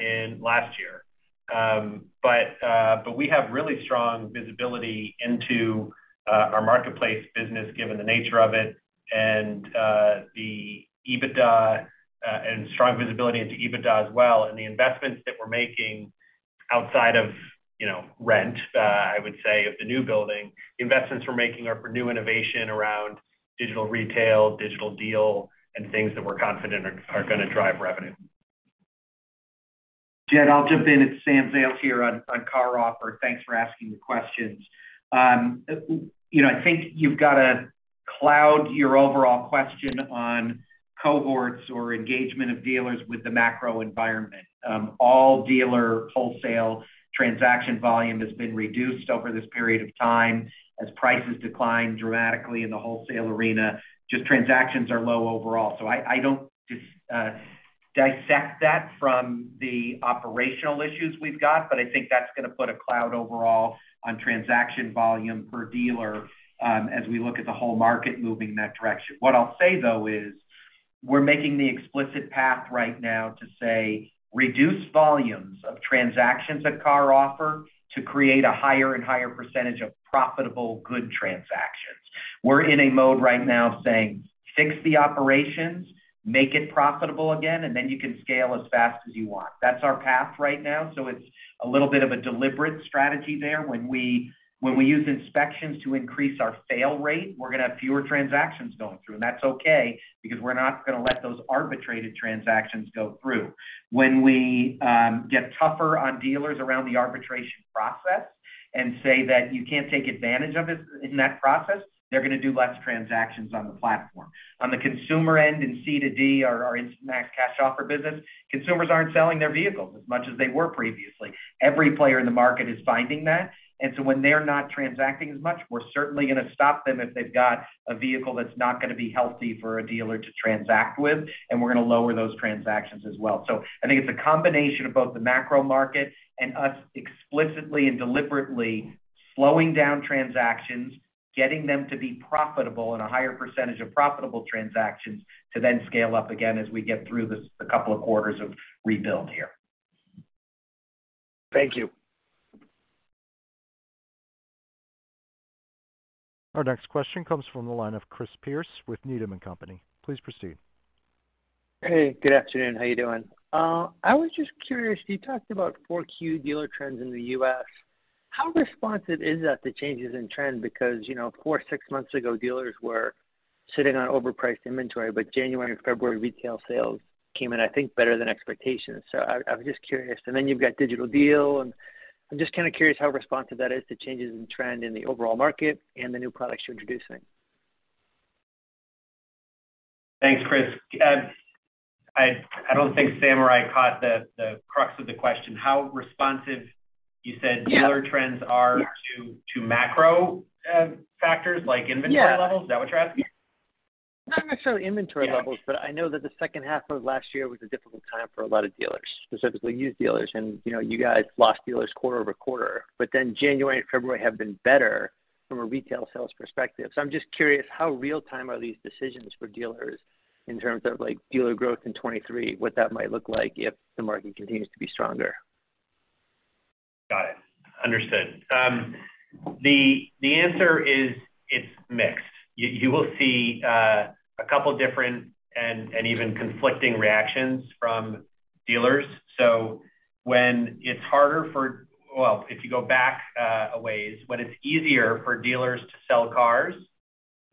in last year. We have really strong visibility into our Marketplace business given the nature of it and the EBITDA and strong visibility into EBITDA as well. The investments that we're making outside of, you know, rent, I would say of the new building, the investments we're making are for new innovation around digital retail, Digital Deal, and things that we're confident are gonna drive revenue. Jed, I'll jump in. It's Sam Zales here on CarOffer. Thanks for asking the questions. You know, I think you've got to cloud your overall question on cohorts or engagement of dealers with the macro environment. All dealer wholesale transaction volume has been reduced over this period of time as prices decline dramatically in the wholesale arena. Just transactions are low overall. I don't dissect that from the operational issues we've got, but I think that's gonna put a cloud overall on transaction volume per dealer, as we look at the whole market moving in that direction. What I'll say, though, is we're making the explicit path right now to say reduce volumes of transactions at CarOffer to create a higher and higher percentage of profitable, good transactions. We're in a mode right now saying, "Fix the operations, make it profitable again, and then you can scale as fast as you want." That's our path right now. It's a little bit of a deliberate strategy there. When we use inspections to increase our fail rate, we're gonna have fewer transactions going through. That's okay because we're not gonna let those arbitrated transactions go through. When we get tougher on dealers around the arbitration process and say that you can't take advantage of it in that process, they're gonna do less transactions on the platform. On the consumer end, in C2D, our Instant Max Cash Offer business, consumers aren't selling their vehicles as much as they were previously. Every player in the market is finding that. When they're not transacting as much, we're certainly gonna stop them if they've got a vehicle that's not gonna be healthy for a dealer to transact with, and we're gonna lower those transactions as well. I think it's a combination of both the macro market and us explicitly and deliberately slowing down transactions, getting them to be profitable and a higher % of profitable transactions to then scale up again as we get through this, the couple of quarters of rebuild here. Thank you. Our next question comes from the line of Christopher Pierce with Needham & Company. Please proceed. Hey, good afternoon. How you doing? I was just curious, you talked about 4Q dealer trends in the U.S. How responsive is that to changes in trend? Because, you know, of course, six months ago, dealers were sitting on overpriced inventory, but January and February retail sales came in, I think, better than expectations. I was just kinda curious, and then you've got Digital Deal and I'm just kinda curious how responsive that is to changes in trend in the overall market and the new products you're introducing. Thanks, Chris. I don't think Sam or I caught the crux of the question. How responsive you said. Yeah. dealer trends are. Yeah. to macro factors like inventory levels? Yeah. Is that what you're asking? Not necessarily inventory levels. Yeah. I know that the second half of last year was a difficult time for a lot of dealers, specifically used dealers. You know, you guys lost dealers quarter-over-quarter, January and February have been better from a retail sales perspective. I'm just curious, how real-time are these decisions for dealers in terms of, like, dealer growth in 23, what that might look like if the market continues to be stronger? Got it. Understood. The answer is it's mixed. You will see a couple different and even conflicting reactions from dealers. When it's harder for... Well, if you go back, a ways, when it's easier for dealers to sell cars,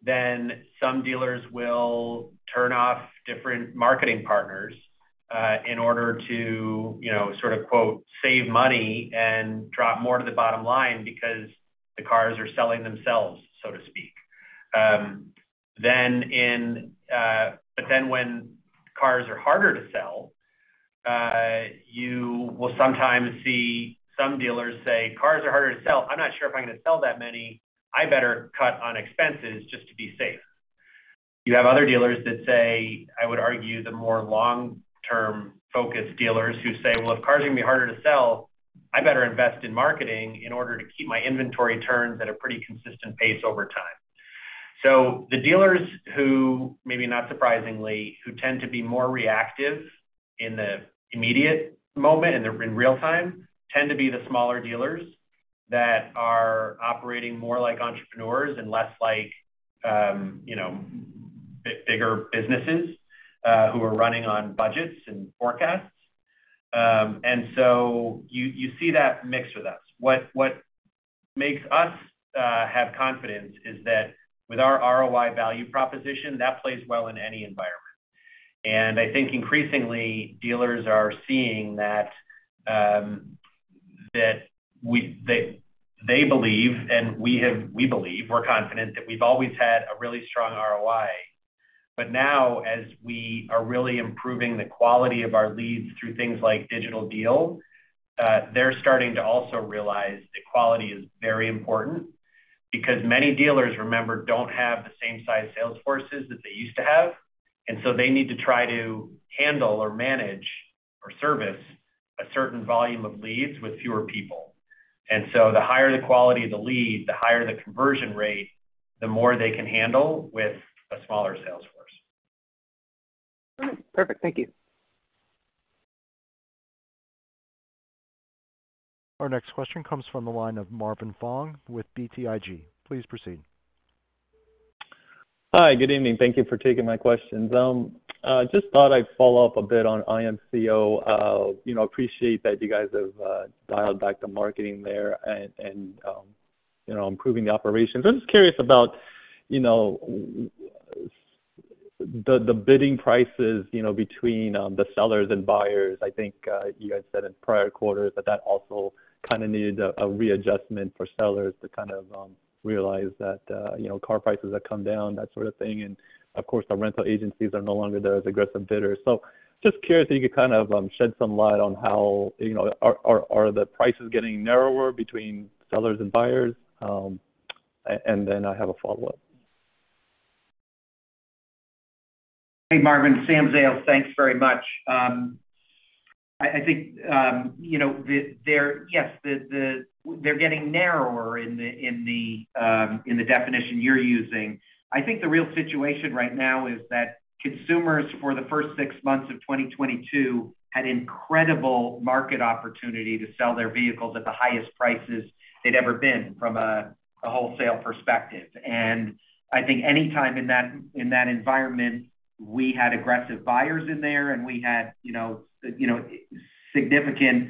then some dealers will turn off different marketing partners, in order to, you know, sort of quote, "Save money" and drop more to the bottom line because the cars are selling themselves, so to speak. When cars are harder to sell, you will sometimes see some dealers say, "Cars are harder to sell. I'm not sure if I'm gonna sell that many. I better cut on expenses just to be safe." You have other dealers that say, I would argue the more long-term focused dealers who say, "Well, if cars are gonna be harder to sell, I better invest in marketing in order to keep my inventory turns at a pretty consistent pace over time." The dealers who, maybe not surprisingly, who tend to be more reactive in the immediate moment, in the, in real time, tend to be the smaller dealers that are operating more like entrepreneurs and less like, you know, bigger businesses who are running on budgets and forecasts. You, you see that mix with us. What makes us have confidence is that with our ROI value proposition, that plays well in any environment. I think increasingly, dealers are seeing that they believe, and we're confident that we've always had a really strong ROI. Now, as we are really improving the quality of our leads through things like Digital Deal, they're starting to also realize that quality is very important. Many dealers, remember, don't have the same size sales forces that they used to have, so they need to try to handle or manage or service a certain volume of leads with fewer people. The higher the quality of the lead, the higher the conversion rate, the more they can handle with a smaller sales force. All right. Perfect. Thank you. Our next question comes from the line of Marvin Fong with BTIG. Please proceed. Hi. Good evening. Thank you for taking my questions. I just thought I'd follow up a bit on IMCO. You know, appreciate that you guys have dialed back the marketing there and improving the operations. I'm just curious about, you know, the bidding prices, you know, between the sellers and buyers. I think you guys said in prior quarters that that also kind of needed a readjustment for sellers to kind of realize that, you know, car prices have come down, that sort of thing. Of course, the rental agencies are no longer there as aggressive bidders. Just curious if you could kind of shed some light on how, you know. Are the prices getting narrower between sellers and buyers? I have a follow-up. Hey, Marvin. Sam Zales. Thanks very much. I think, you know, Yes, they're getting narrower in the definition you're using. I think the real situation right now is that consumers, for the first six months of 2022, had incredible market opportunity to sell their vehicles at the highest prices they'd ever been from a wholesale perspective. I think anytime in that environment, we had aggressive buyers in there, and we had, you know, significant,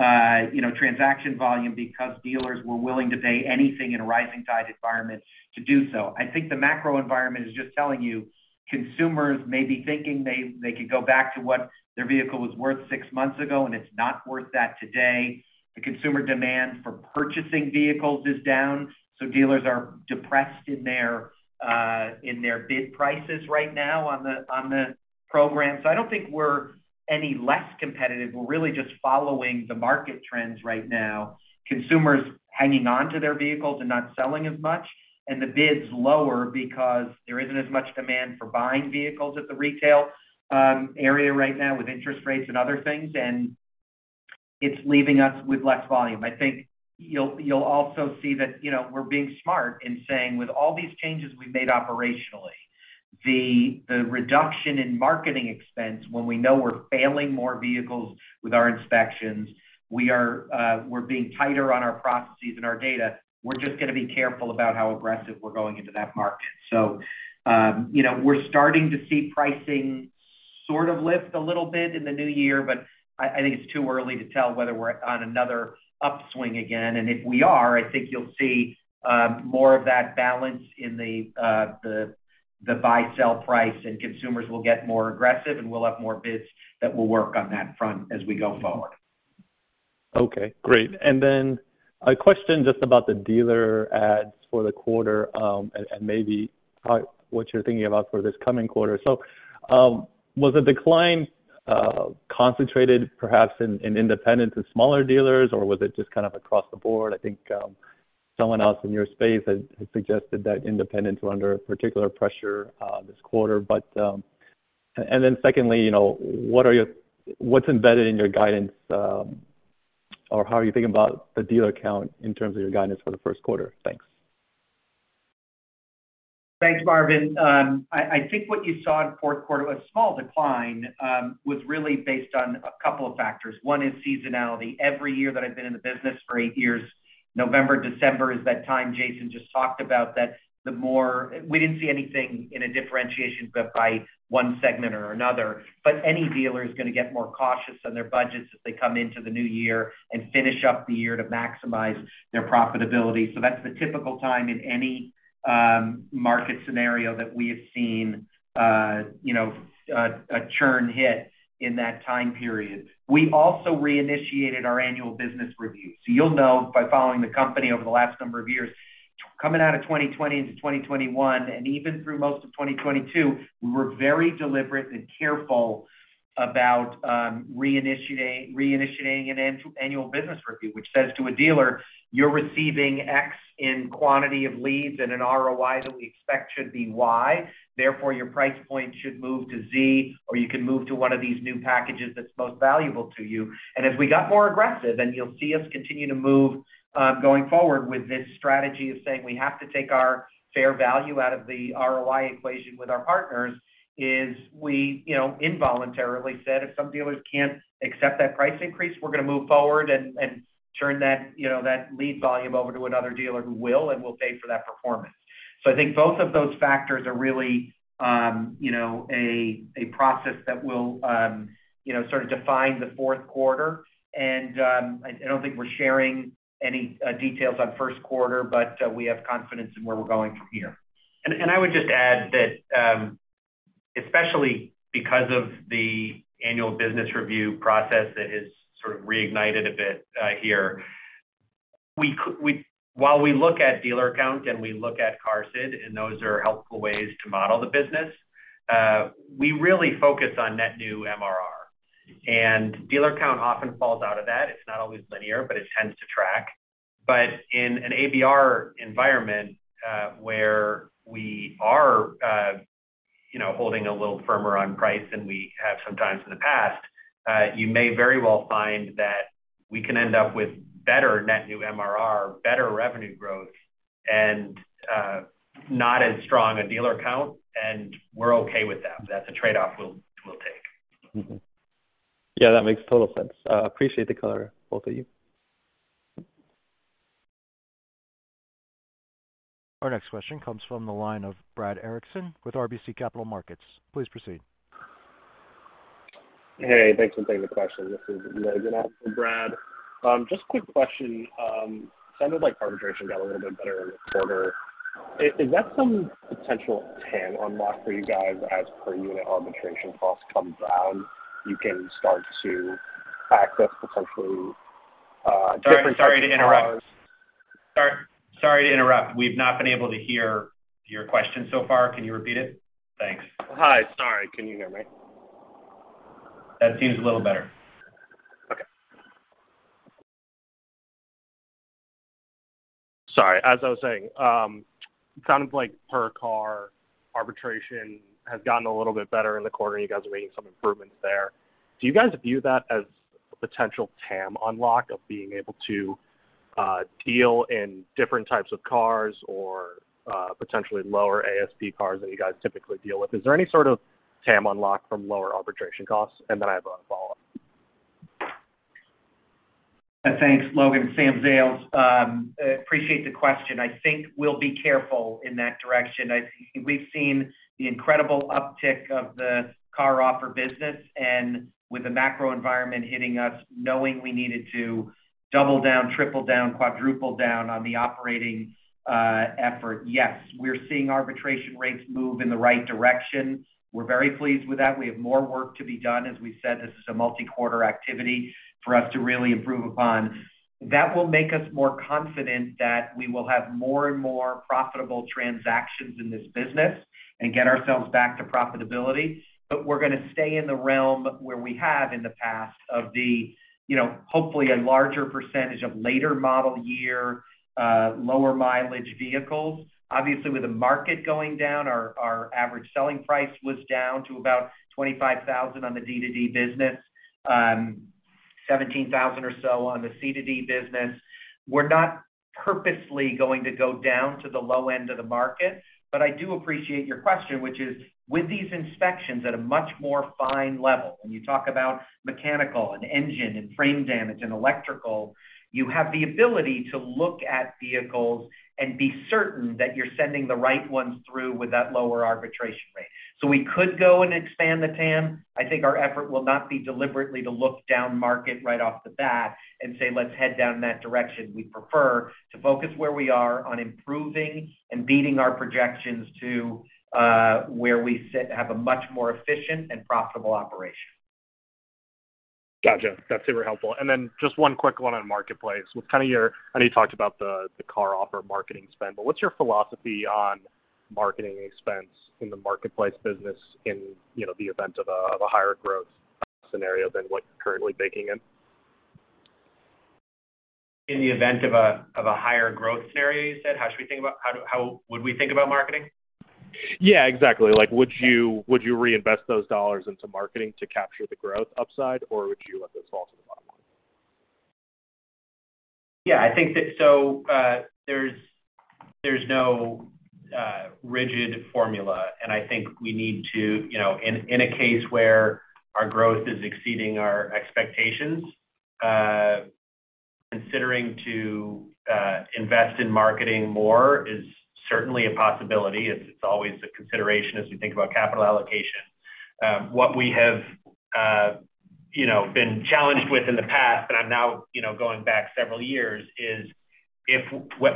you know, transaction volume because dealers were willing to pay anything in a rising tide environment to do so. I think the macro environment is just telling you, consumers may be thinking they could go back to what their vehicle was worth six months ago, and it's not worth that today. The consumer demand for purchasing vehicles is down, so dealers are depressed in their bid prices right now on the program. I don't think we're any less competitive. We're really just following the market trends right now. Consumers hanging on to their vehicles and not selling as much. The bids lower because there isn't as much demand for buying vehicles at the retail area right now with interest rates and other things. It's leaving us with less volume. I think you'll also see that, you know, we're being smart in saying with all these changes we've made operationally, the reduction in marketing expense when we know we're failing more vehicles with our inspections, we're being tighter on our processes and our data. We're just gonna be careful about how aggressive we're going into that market. You know, we're starting to see pricing sort of lift a little bit in the new year, but I think it's too early to tell whether we're on another upswing again. If we are, I think you'll see more of that balance in the buy/sell price, and consumers will get more aggressive, and we'll have more bids that will work on that front as we go forward. Okay. Great. A question just about the dealer ads for the quarter, and maybe, what you're thinking about for this coming quarter. Was the decline concentrated perhaps in independents and smaller dealers, or was it just kind of across the board? I think someone else in your space had suggested that independents were under particular pressure this quarter. And then secondly, you know, what's embedded in your guidance, or how are you thinking about the dealer count in terms of your guidance for the Q1? Thanks. Thanks, Marvin. I think what you saw in Q4, a small decline, was really based on a couple of factors. One is seasonality. Every year that I've been in the business, for eight years, November, December is that time Jason just talked about. We didn't see anything in a differentiation but by one segment or another. Any dealer is gonna get more cautious on their budgets as they come into the new year and finish up the year to maximize their profitability. That's the typical time in any market scenario that we have seen, you know, a churn hit in that time period. We also reinitiated our annual business review. You'll know by following the company over the last number of years. Coming out of 2020 into 2021, and even through most of 2022, we were very deliberate and careful about reinitiating an annual business review, which says to a dealer, "You're receiving X in quantity of leads and an ROI that we expect should be Y. Therefore, your price point should move to Z, or you can move to one of these new packages that's most valuable to you. As we got more aggressive, and you'll see us continue to move, going forward with this strategy of saying we have to take our fair value out of the ROI equation with our partners, is we, you know, involuntarily said, if some dealers can't accept that price increase, we're gonna move forward and turn that, you know, that lead volume over to another dealer who will and will pay for that performance. I think both of those factors are really, you know, a process that will, you know, sort of define the Q4. I don't think we're sharing any details on Q1, but we have confidence in where we're going from here. I would just add that, especially because of the annual business review process that has sort of reignited a bit here. While we look at dealer count and we look at CARSID, and those are helpful ways to model the business, we really focus on net new MRR. Dealer count often falls out of that. It's not always linear, but it tends to track. In an ABR environment, where we are, you know, holding a little firmer on price than we have sometimes in the past, you may very well find that we can end up with better net new MRR, better revenue growth, and not as strong a dealer count, and we're okay with that. That's a trade-off we'll take. Yeah, that makes total sense. Appreciate the color, both of you. Our next question comes from the line of Brad Erickson with RBC Capital Markets. Please proceed. Hey, thanks for taking the question. This is Logan on for Brad. Just a quick question. Sounded like arbitration got a little bit better in the quarter. Is that some potential TAM unlock for you guys as per unit arbitration costs come down, you can start to access potentially, different types of cars... Sorry to interrupt. Sorry to interrupt. We've not been able to hear your question so far. Can you repeat it? Thanks. Hi. Sorry. Can you hear me? That seems a little better. Okay. Sorry. As I was saying, sounds like per car arbitration has gotten a little bit better in the quarter, and you guys are making some improvements there. Do you guys view that as a potential TAM unlock of being able to deal in different types of cars or potentially lower ASP cars than you guys typically deal with? Is there any sort of TAM unlock from lower arbitration costs? Then I have a follow-up. Thanks, Logan. Sam Zales. Appreciate the question. I think we'll be careful in that direction. I think we've seen the incredible uptick of the CarOffer business. With the macro environment hitting us, knowing we needed to double down, triple down, quadruple down on the operating effort. Yes, we're seeing arbitration rates move in the right direction. We're very pleased with that. We have more work to be done. As we said, this is a multi-quarter activity for us to really improve upon. That will make us more confident that we will have more and more profitable transactions in this business and get ourselves back to profitability. We're gonna stay in the realm where we have in the past of the, you know, hopefully a larger percentage of later model year, lower mileage vehicles. Obviously, with the market going down, our average selling price was down to about $25,000 on the D2D business, $17,000 or so on the C2D business. We're not purposely going to go down to the low end of the market. I do appreciate your question, which is, with these inspections at a much more fine level, when you talk about mechanical and engine and frame damage and electrical, you have the ability to look at vehicles and be certain that you're sending the right ones through with that lower arbitration rate. We could go and expand the TAM. I think our effort will not be deliberately to look down market right off the bat and say, "Let's head down that direction." We prefer to focus where we are on improving and beating our projections to where we sit, have a much more efficient and profitable operation. Gotcha. That's super helpful. Then just one quick one on marketplace. I know you talked about the CarOffer marketing spend, but what's your philosophy on marketing expense in the marketplace business in, you know, the event of a higher growth scenario than what you're currently baking in? In the event of a higher growth scenario, you said? How would we think about marketing? Yeah, exactly. Like, would you reinvest those dollars into marketing to capture the growth upside, or would you let those fall to the bottom line? Yeah, I think that. There's no rigid formula, and I think we need to, you know, in a case where our growth is exceeding our expectations, considering to invest in marketing more is certainly a possibility. It's always a consideration as we think about capital allocation. What we have, you know, been challenged with in the past, and I'm now, you know, going back several years, is if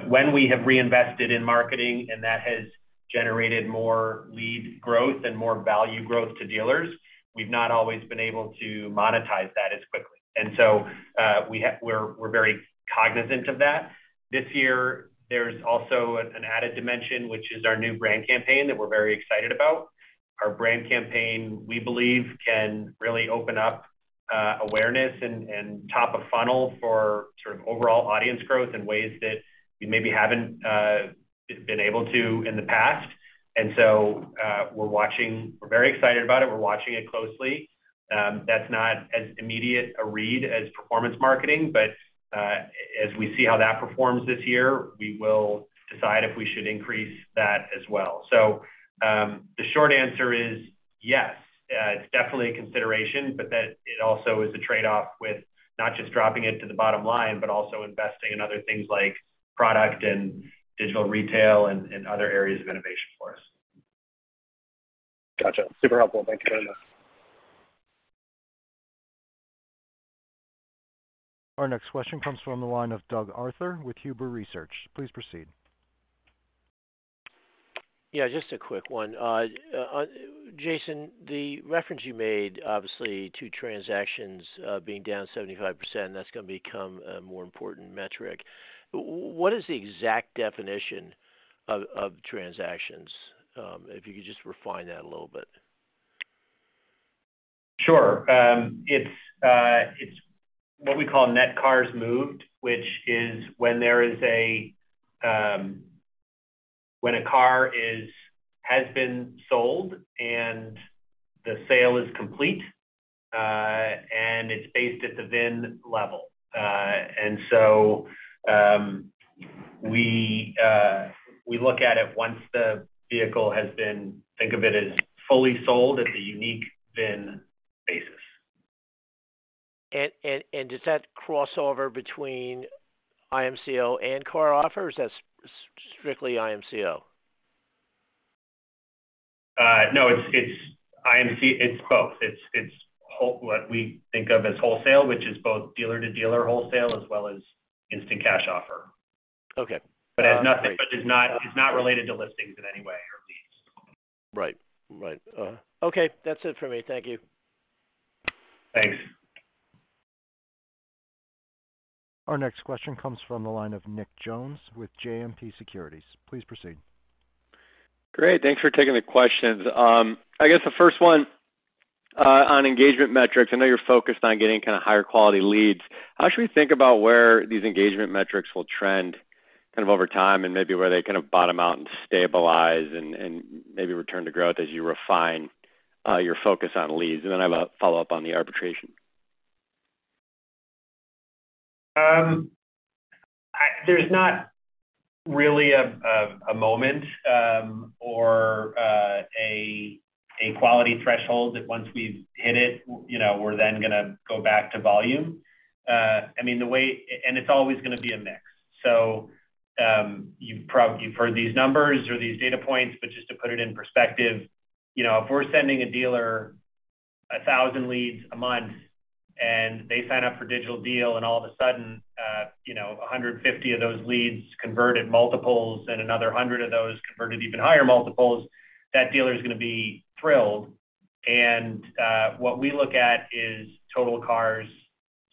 when we have reinvested in marketing and that has generated more lead growth and more value growth to dealers, we've not always been able to monetize that as quickly. We're very cognizant of that. This year, there's also an added dimension, which is our new brand campaign that we're very excited about. Our brand campaign, we believe, can really open up awareness and top of funnel for sort of overall audience growth in ways that we maybe haven't been able to in the past. We're very excited about it, we're watching it closely. That's not as immediate a read as performance marketing, but as we see how that performs this year, we will decide if we should increase that as well. The short answer is yes. It's definitely a consideration, but that it also is a trade-off with not just dropping it to the bottom line, but also investing in other things like product and digital retail and other areas of innovation for us. Gotcha. Super helpful. Thank you. Our next question comes from the line of Doug Arthur with Huber Research. Please proceed. Yeah, just a quick one. Jason, the reference you made, obviously, to transactions, being down 75%, That's gonna become a more important metric. What is the exact definition of transactions? If you could just refine that a little bit. Sure. It's what we call net cars moved, which is when there is a, when a car has been sold and the sale is complete, and it's based at the VIN level. We look at it once the vehicle has been, think of it, as fully sold at the unique VIN basis. Does that cross over between IMCO and CarOffer, or is that strictly IMCO? No. It's both. It's what we think of as wholesale, which is both dealer-to-dealer wholesale as well as Instant Cash Offer. Okay. But it has nothing- Great. it's not related to listings in any way or leads. Right. Okay. That's it for me. Thank you. Thanks. Our next question comes from the line of Nicholas Jones with JMP Securities. Please proceed. Great. Thanks for taking the questions. I guess the first one on engagement metrics, I know you're focused on getting kind of higher quality leads. How should we think about where these engagement metrics will trend kind of over time and maybe where they kind of bottom out and stabilize and maybe return to growth as you refine your focus on leads? Then I have a follow-up on the arbitration. There's not really a moment or a quality threshold that once we've hit it, you know, we're then gonna go back to volume. I mean, the way it's always gonna be a mix. You've heard these numbers or these data points, but just to put it in perspective, you know, if we're sending a dealer 1,000 leads a month and they sign up for Digital Deal, and all of a sudden, you know, 150 of those leads converted multiples and another 100 of those converted even higher multiples, that dealer is gonna be thrilled. What we look at is total cars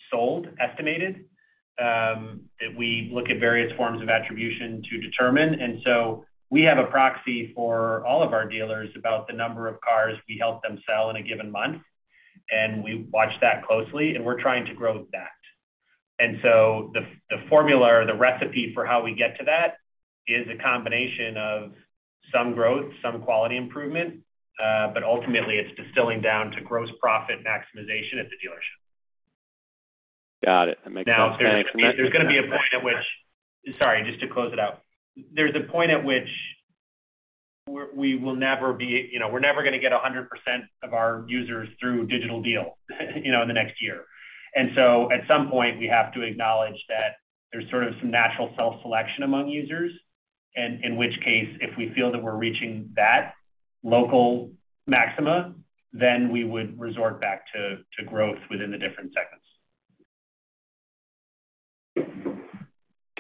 sold, estimated, that we look at various forms of attribution to determine. We have a proxy for all of our dealers about the number of cars we help them sell in a given month, and we watch that closely, and we're trying to grow that. The formula or the recipe for how we get to that is a combination of some growth, some quality improvement, but ultimately, it's distilling down to gross profit maximization at the dealership. Got it. That makes sense. There's gonna be a point at which. Sorry, just to close it out. There's a point at which we will never be, you know, we're never gonna get 100% of our users through Digital Deal, you know, in the next year. At some point, we have to acknowledge that there's sort of some natural self-selection among users, and in which case, if we feel that we're reaching that local maxima, then we would resort back to growth within the different segments.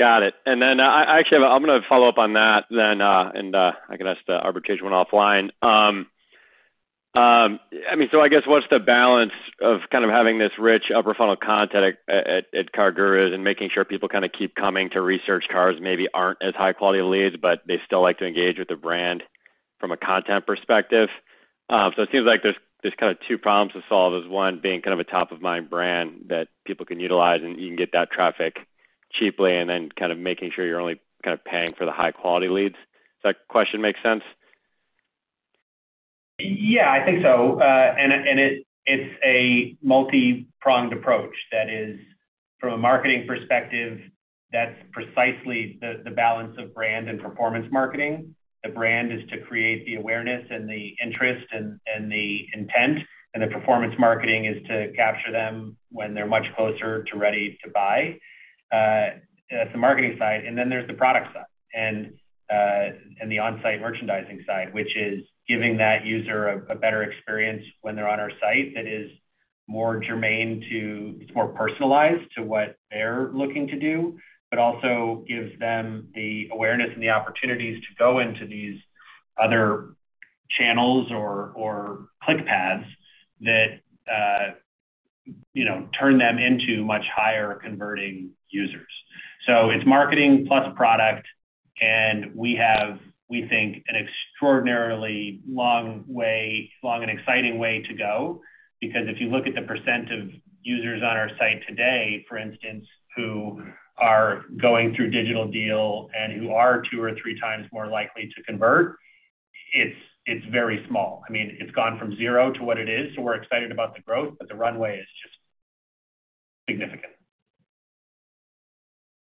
Got it. Actually, I'm gonna follow up on that then, I can ask the arbitrage one offline. I mean, I guess what's the balance of kind of having this rich upper funnel content at CarGurus and making sure people kind of keep coming to research cars maybe aren't as high quality leads, but they still like to engage with the brand from a content perspective. It seems like there's kind of two problems to solve is, one, being kind of a top-of-mind brand that people can utilize, and you can get that traffic cheaply, and then kind of making sure you're only kind of paying for the high-quality leads. Does that question make sense? Yeah, I think so. It's a multipronged approach. That is, from a marketing perspective, that's precisely the balance of brand and performance marketing. The brand is to create the awareness and the interest and the intent, and the performance marketing is to capture them when they're much closer to ready to buy. That's the marketing side, and then there's the product side and the on-site merchandising side, which is giving that user a better experience when they're on our site that is. More germane, it's more personalized to what they're looking to do. Also gives them the awareness and the opportunities to go into these other channels or click paths that, you know, turn them into much higher converting users. It's marketing plus product, we have, we think, an extraordinarily long way, long and exciting way to go. If you look at the % of users on our site today, for instance, who are going through Digital Deal and who are 2 or 3 times more likely to convert, it's very small. I mean, it's gone from 0 to what it is. We're excited about the growth, the runway is just significant.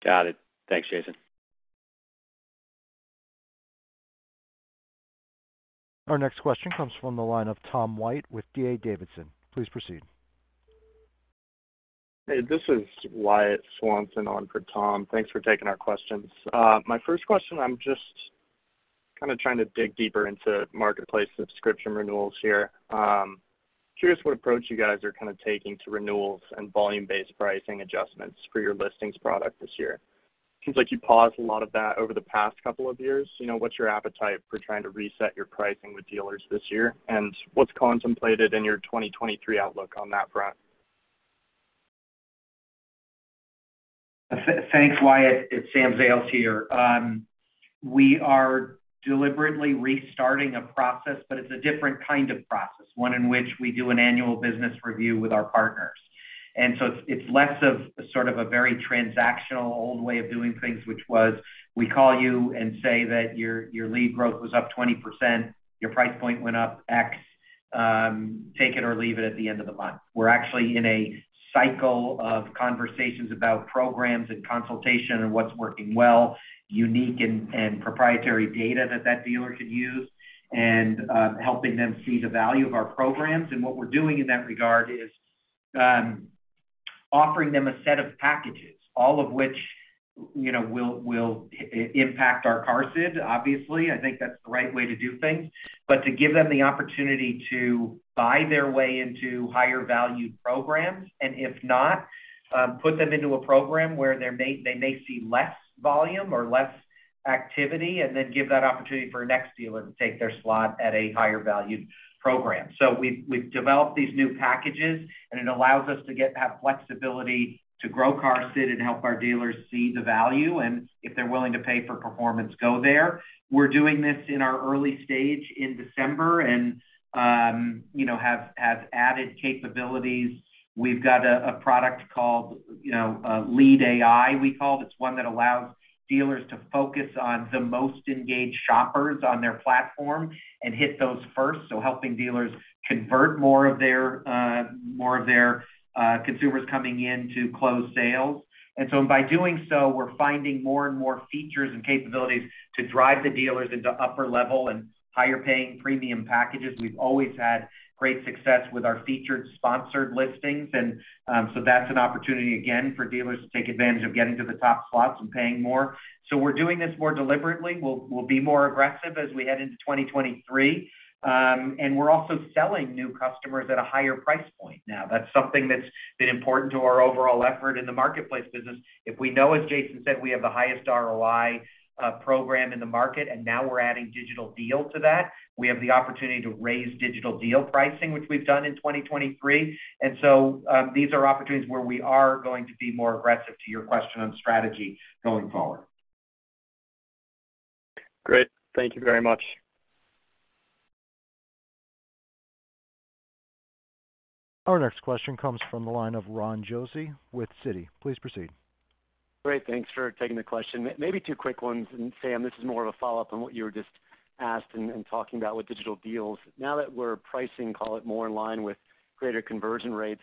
Got it. Thanks, Jason. Our next question comes from the line of Tom White with D.A. Davidson. Please proceed. Hey, this is Wyatt Swanson on for Tom. Thanks for taking our questions. My first question, I'm just kinda trying to dig deeper into marketplace subscription renewals here. Curious what approach you guys are kinda taking to renewals and volume-based pricing adjustments for your listings product this year. Seems like you paused a lot of that over the past couple of years. You know, what's your appetite for trying to reset your pricing with dealers this year? What's contemplated in your 2023 outlook on that front? Thanks, Wyatt. It's Sam Zales here. We are deliberately restarting a process, but it's a different kind of process, one in which we do an annual business review with our partners. It's less of sort of a very transactional old way of doing things, which was, we call you and say that your lead growth was up 20%, your price point went up X, take it or leave it at the end of the month. We're actually in a cycle of conversations about programs and consultation and what's working well, unique and proprietary data that that dealer could use, and helping them see the value of our programs. What we're doing in that regard is offering them a set of packages, all of which, you know, will impact our CARSID, obviously. I think that's the right way to do things. To give them the opportunity to buy their way into higher value programs, and if not, put them into a program where they may see less volume or less activity, and then give that opportunity for a next dealer to take their slot at a higher valued program. We've developed these new packages, and it allows us to get that flexibility to grow CARSID and help our dealers see the value, and if they're willing to pay for performance, go there. We're doing this in our early stage in December and, you know, have added capabilities. We've got a product called, you know, Lead AI, we call it. It's one that allows dealers to focus on the most engaged shoppers on their platform and hit those first. Helping dealers convert more of their consumers coming in to close sales. By doing so, we're finding more and more features and capabilities to drive the dealers into upper level and higher paying premium packages. We've always had great success with our featured sponsored listings. That's an opportunity again for dealers to take advantage of getting to the top slots and paying more. We're doing this more deliberately. We'll be more aggressive as we head into 2023. We're also selling new customers at a higher price point now. That's something that's been important to our overall effort in the marketplace business. If we know, as Jason said, we have the highest ROI program in the market, and now we're adding Digital Deal to that, we have the opportunity to raise Digital Deal pricing, which we've done in 2023. These are opportunities where we are going to be more aggressive to your question on strategy going forward. Great. Thank you very much. Our next question comes from the line of Ronald Josey with Citi. Please proceed. Great. Thanks for taking the question. Maybe two quick ones. Sam, this is more of a follow-up on what you were just asked and talking about with Digital Deals. Now that we're pricing, call it more in line with greater conversion rates,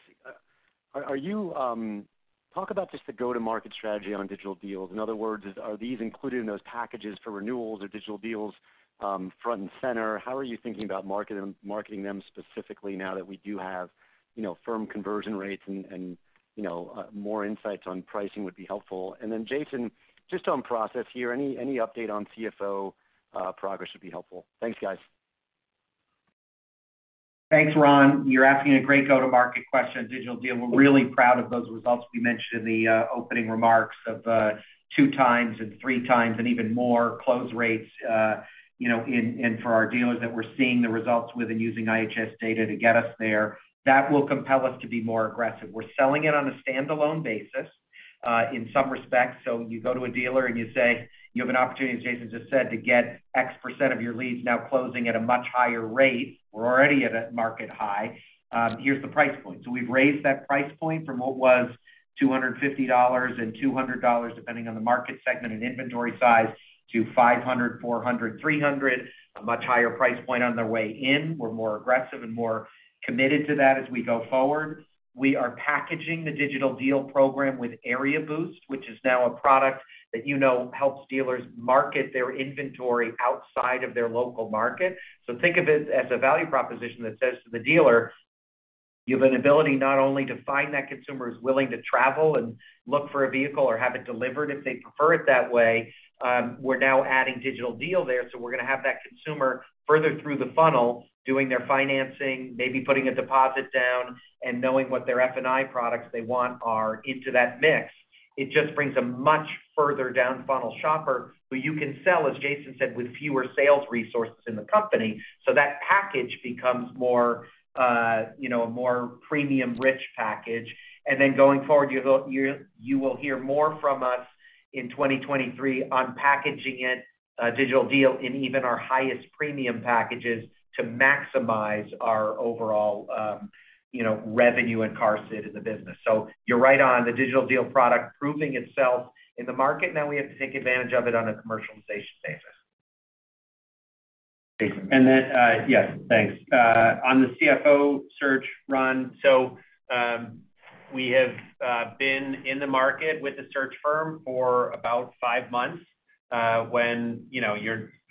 Talk about just the go-to-market strategy on Digital Deals. In other words, are these included in those packages for renewals or Digital Deals, front and center? How are you thinking about marketing them specifically now that we do have, you know, firm conversion rates and, you know, more insights on pricing would be helpful. Jason, just on process here, any update on CFO progress would be helpful. Thanks, guys. Thanks, Ron. You're asking a great go-to-market question on Digital Deal. We're really proud of those results we mentioned in the opening remarks of two times and three times and even more close rates, you know, and for our dealers that we're seeing the results with and using IHS data to get us there. Will compel us to be more aggressive. We're selling it on a standalone basis in some respects. You go to a dealer and you say, you have an opportunity, as Jason just said, to get X% of your leads now closing at a much higher rate. We're already at a market high. Here's the price point. We've raised that price point from what was $250 and $200, depending on the market segment and inventory size, to $500, $400, $300, a much higher price point on their way in. We're more aggressive and more committed to that as we go forward. We are packaging the Digital Deal program with Area Boost, which is now a product that you know helps dealers market their inventory outside of their local market. Think of it as a value proposition that says to the dealer: You have an ability not only to find that consumer is willing to travel and look for a vehicle or have it delivered if they prefer it that way. We're now adding Digital Deal there, we're gonna have that consumer further through the funnel doing their financing, maybe putting a deposit down, and knowing what their F&I products they want are into that mix. It just brings a much further down funnel shopper who you can sell, as Jason said, with fewer sales resources in the company. That package becomes more, you know, a more premium rich package. Going forward, you will hear more from us in 2023 on packaging it, Digital Deal in even our highest premium packages to maximize our overall, you know, revenue and CARSiD in the business. You're right on the Digital Deal product proving itself in the market, now we have to take advantage of it on a commercialization basis. Jason. Yes, thanks. On the CFO search run. We have been in the market with the search firm for about five months. When, you know,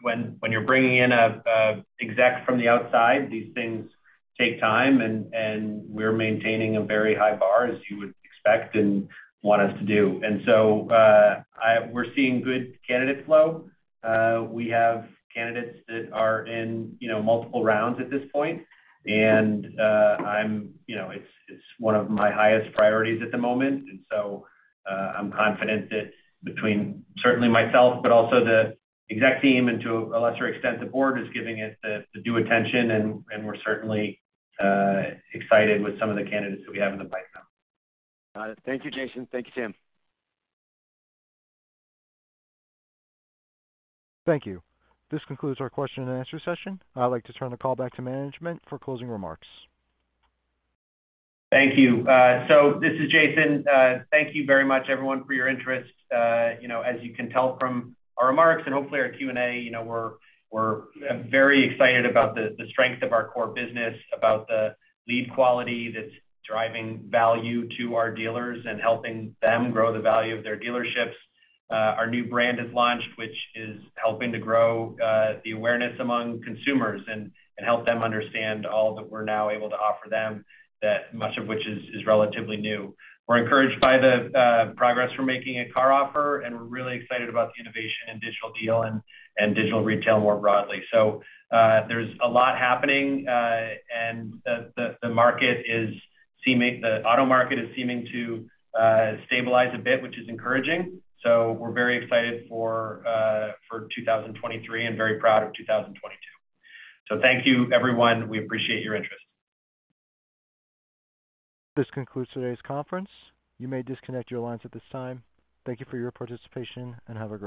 when you're bringing in a exec from the outside, these things take time and we're maintaining a very high bar as you would expect and want us to do. We're seeing good candidate flow. We have candidates that are in, you know, multiple rounds at this point. I'm, you know, it's one of my highest priorities at the moment. I'm confident that between certainly myself but also the exec team and to a lesser extent the board is giving it the due attention and we're certainly excited with some of the candidates that we have in the pipe now. Got it. Thank you, Jason. Thank you, Sam. Thank you. This concludes our question and answer session. I'd like to turn the call back to management for closing remarks. Thank you. This is Jason. Thank you very much everyone for your interest. You know, as you can tell from our remarks and hopefully our Q&A, you know, we're very excited about the strength of our core business, about the lead quality that's driving value to our dealers and helping them grow the value of their dealerships. Our new brand is launched, which is helping to grow the awareness among consumers and help them understand all that we're now able to offer them that much of which is relatively new. We're encouraged by the progress we're making at CarOffer. We're really excited about the innovation in Digital Deal and digital retail more broadly. There's a lot happening, and the auto market is seeming to stabilize a bit, which is encouraging. We're very excited for 2023 and very proud of 2022. Thank you everyone. We appreciate your interest. This concludes today's conference. You may disconnect your lines at this time. Thank you for your participation and have a great day.